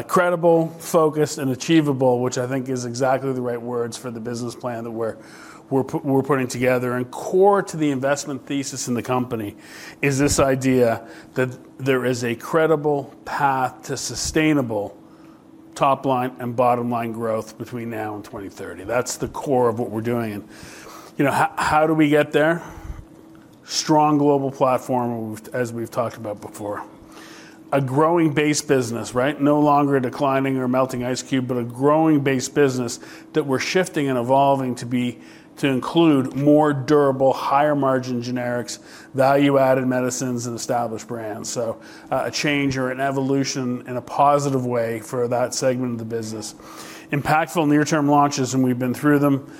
C: credible, focused, and achievable, which I think is exactly the right words for the business plan that we're putting together. Core to the investment thesis in the company is this idea that there is a credible path to sustainable top line and bottom line growth between now and 2030. That's the core of what we're doing. How do we get there? Strong global platform, as we've talked about before. A growing base business, right? No longer a declining or melting ice cube, but a growing base business that we're shifting and evolving to include more durable, higher-margin generics, value-added medicines and established brands. A change or an evolution in a positive way for that segment of the business. Impactful near-term launches, and we've been through them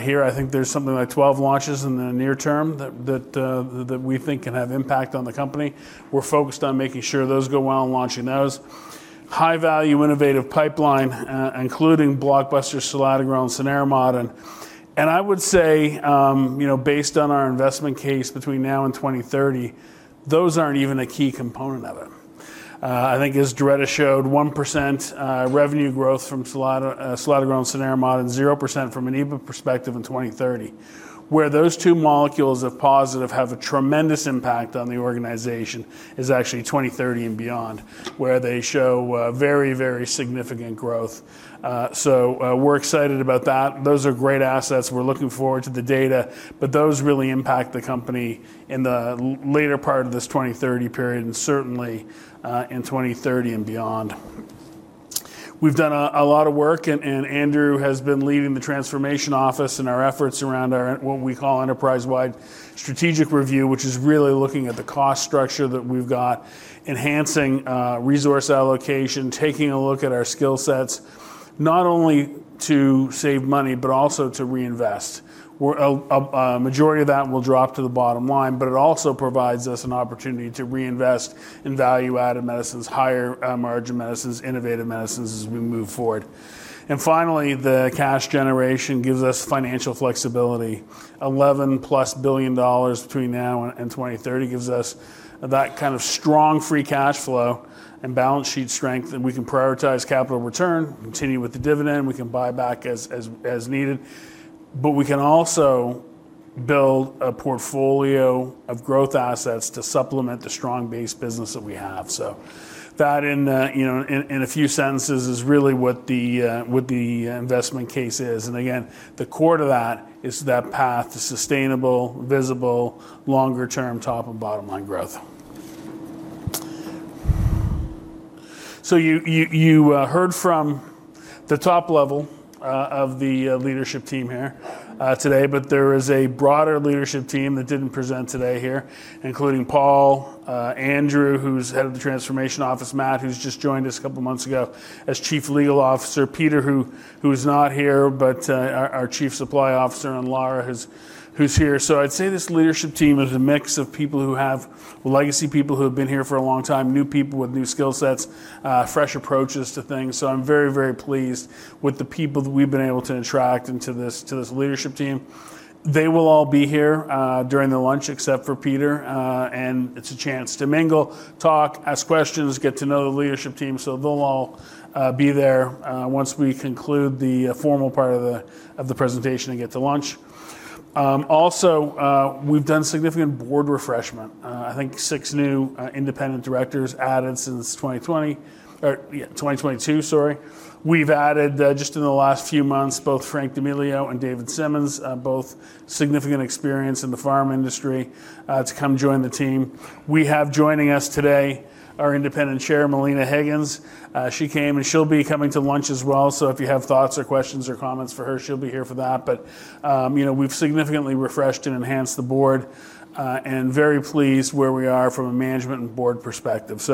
C: here. I think there's something like 12 launches in the near term that we think can have impact on the company. We're focused on making sure those go well and launching those. High-value innovative pipeline, including blockbuster selatogrel and cenerimod. I would say, you know, based on our investment case between now and 2030, those aren't even a key component of it. I think as Doretta showed, 1% revenue growth from selatogrel and cenerimod and 0% from an EBITDA perspective in 2030. Where those two molecules have positive have a tremendous impact on the organization is actually 2030 and beyond, where they show very, very significant growth. We're excited about that. Those are great assets. We're looking forward to the data, but those really impact the company in the later part of this 2030 period and certainly in 2030 and beyond. We've done a lot of work, and Andrew has been leading the transformation office and our efforts around our what we call enterprise-wide strategic review, which is really looking at the cost structure that we've got, enhancing resource allocation, taking a look at our skill sets, not only to save money, but also to reinvest. A majority of that will drop to the bottom line, but it also provides us an opportunity to reinvest in value-added medicines, higher margin medicines, innovative medicines as we move forward. Finally, the cash generation gives us financial flexibility. $11+ billion between now and 2030 gives us that kind of strong free cash flow and balance sheet strength, and we can prioritize capital return, continue with the dividend, we can buy back as needed, but we can also build a portfolio of growth assets to supplement the strong base business that we have. That in you know in a few sentences is really what the investment case is. Again, the core to that is that path to sustainable, visible, longer-term top and bottom line growth. You heard from the top level of the leadership team here today, but there is a broader leadership team that didn't present today here, including Paul, Andrew, who's head of the transformation office, Matt, who's just joined us a couple months ago as Chief Legal Officer, Peter, who's not here, but our Chief Supply Officer, and Laura who's here. I'd say this leadership team is a mix of people who have legacy people who have been here for a long time, new people with new skill sets, fresh approaches to things. I'm very pleased with the people that we've been able to attract into this leadership team. They will all be here during the lunch except for Peter and it's a chance to mingle, talk, ask questions, get to know the leadership team. They'll all be there once we conclude the formal part of the presentation and get to lunch. Also, we've done significant board refreshment. I think six new independent directors added since 2022, sorry. We've added just in the last few months both Frank D'Amelio and David Simmons, both significant experience in the pharma industry to come join the team. We have joining us today our independent chair, Melina Higgins. She came, and she'll be coming to lunch as well, so if you have thoughts or questions or comments for her, she'll be here for that. you know, we've significantly refreshed and enhanced the board, and very pleased where we are from a management and board perspective.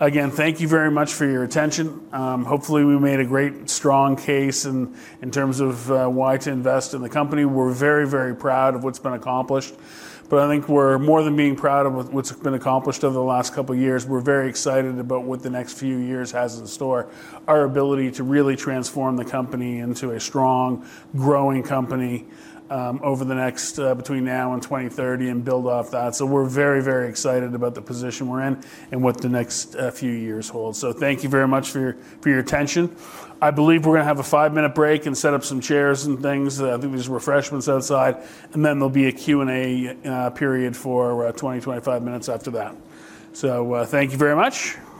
C: Again, thank you very much for your attention. Hopefully, we made a great, strong case in terms of why to invest in the company. We're very, very proud of what's been accomplished, but I think we're more than being proud of what's been accomplished over the last couple years. We're very excited about what the next few years has in store. Our ability to really transform the company into a strong, growing company, over the next, between now and 2030 and build off that. We're very, very excited about the position we're in and what the next few years hold. Thank you very much for your attention. I believe we're gonna have a 5-minute break and set up some chairs and things. I think there's refreshments outside, and then there'll be a Q&A period for 20-25 minutes after that. Thank you very much. Cheers.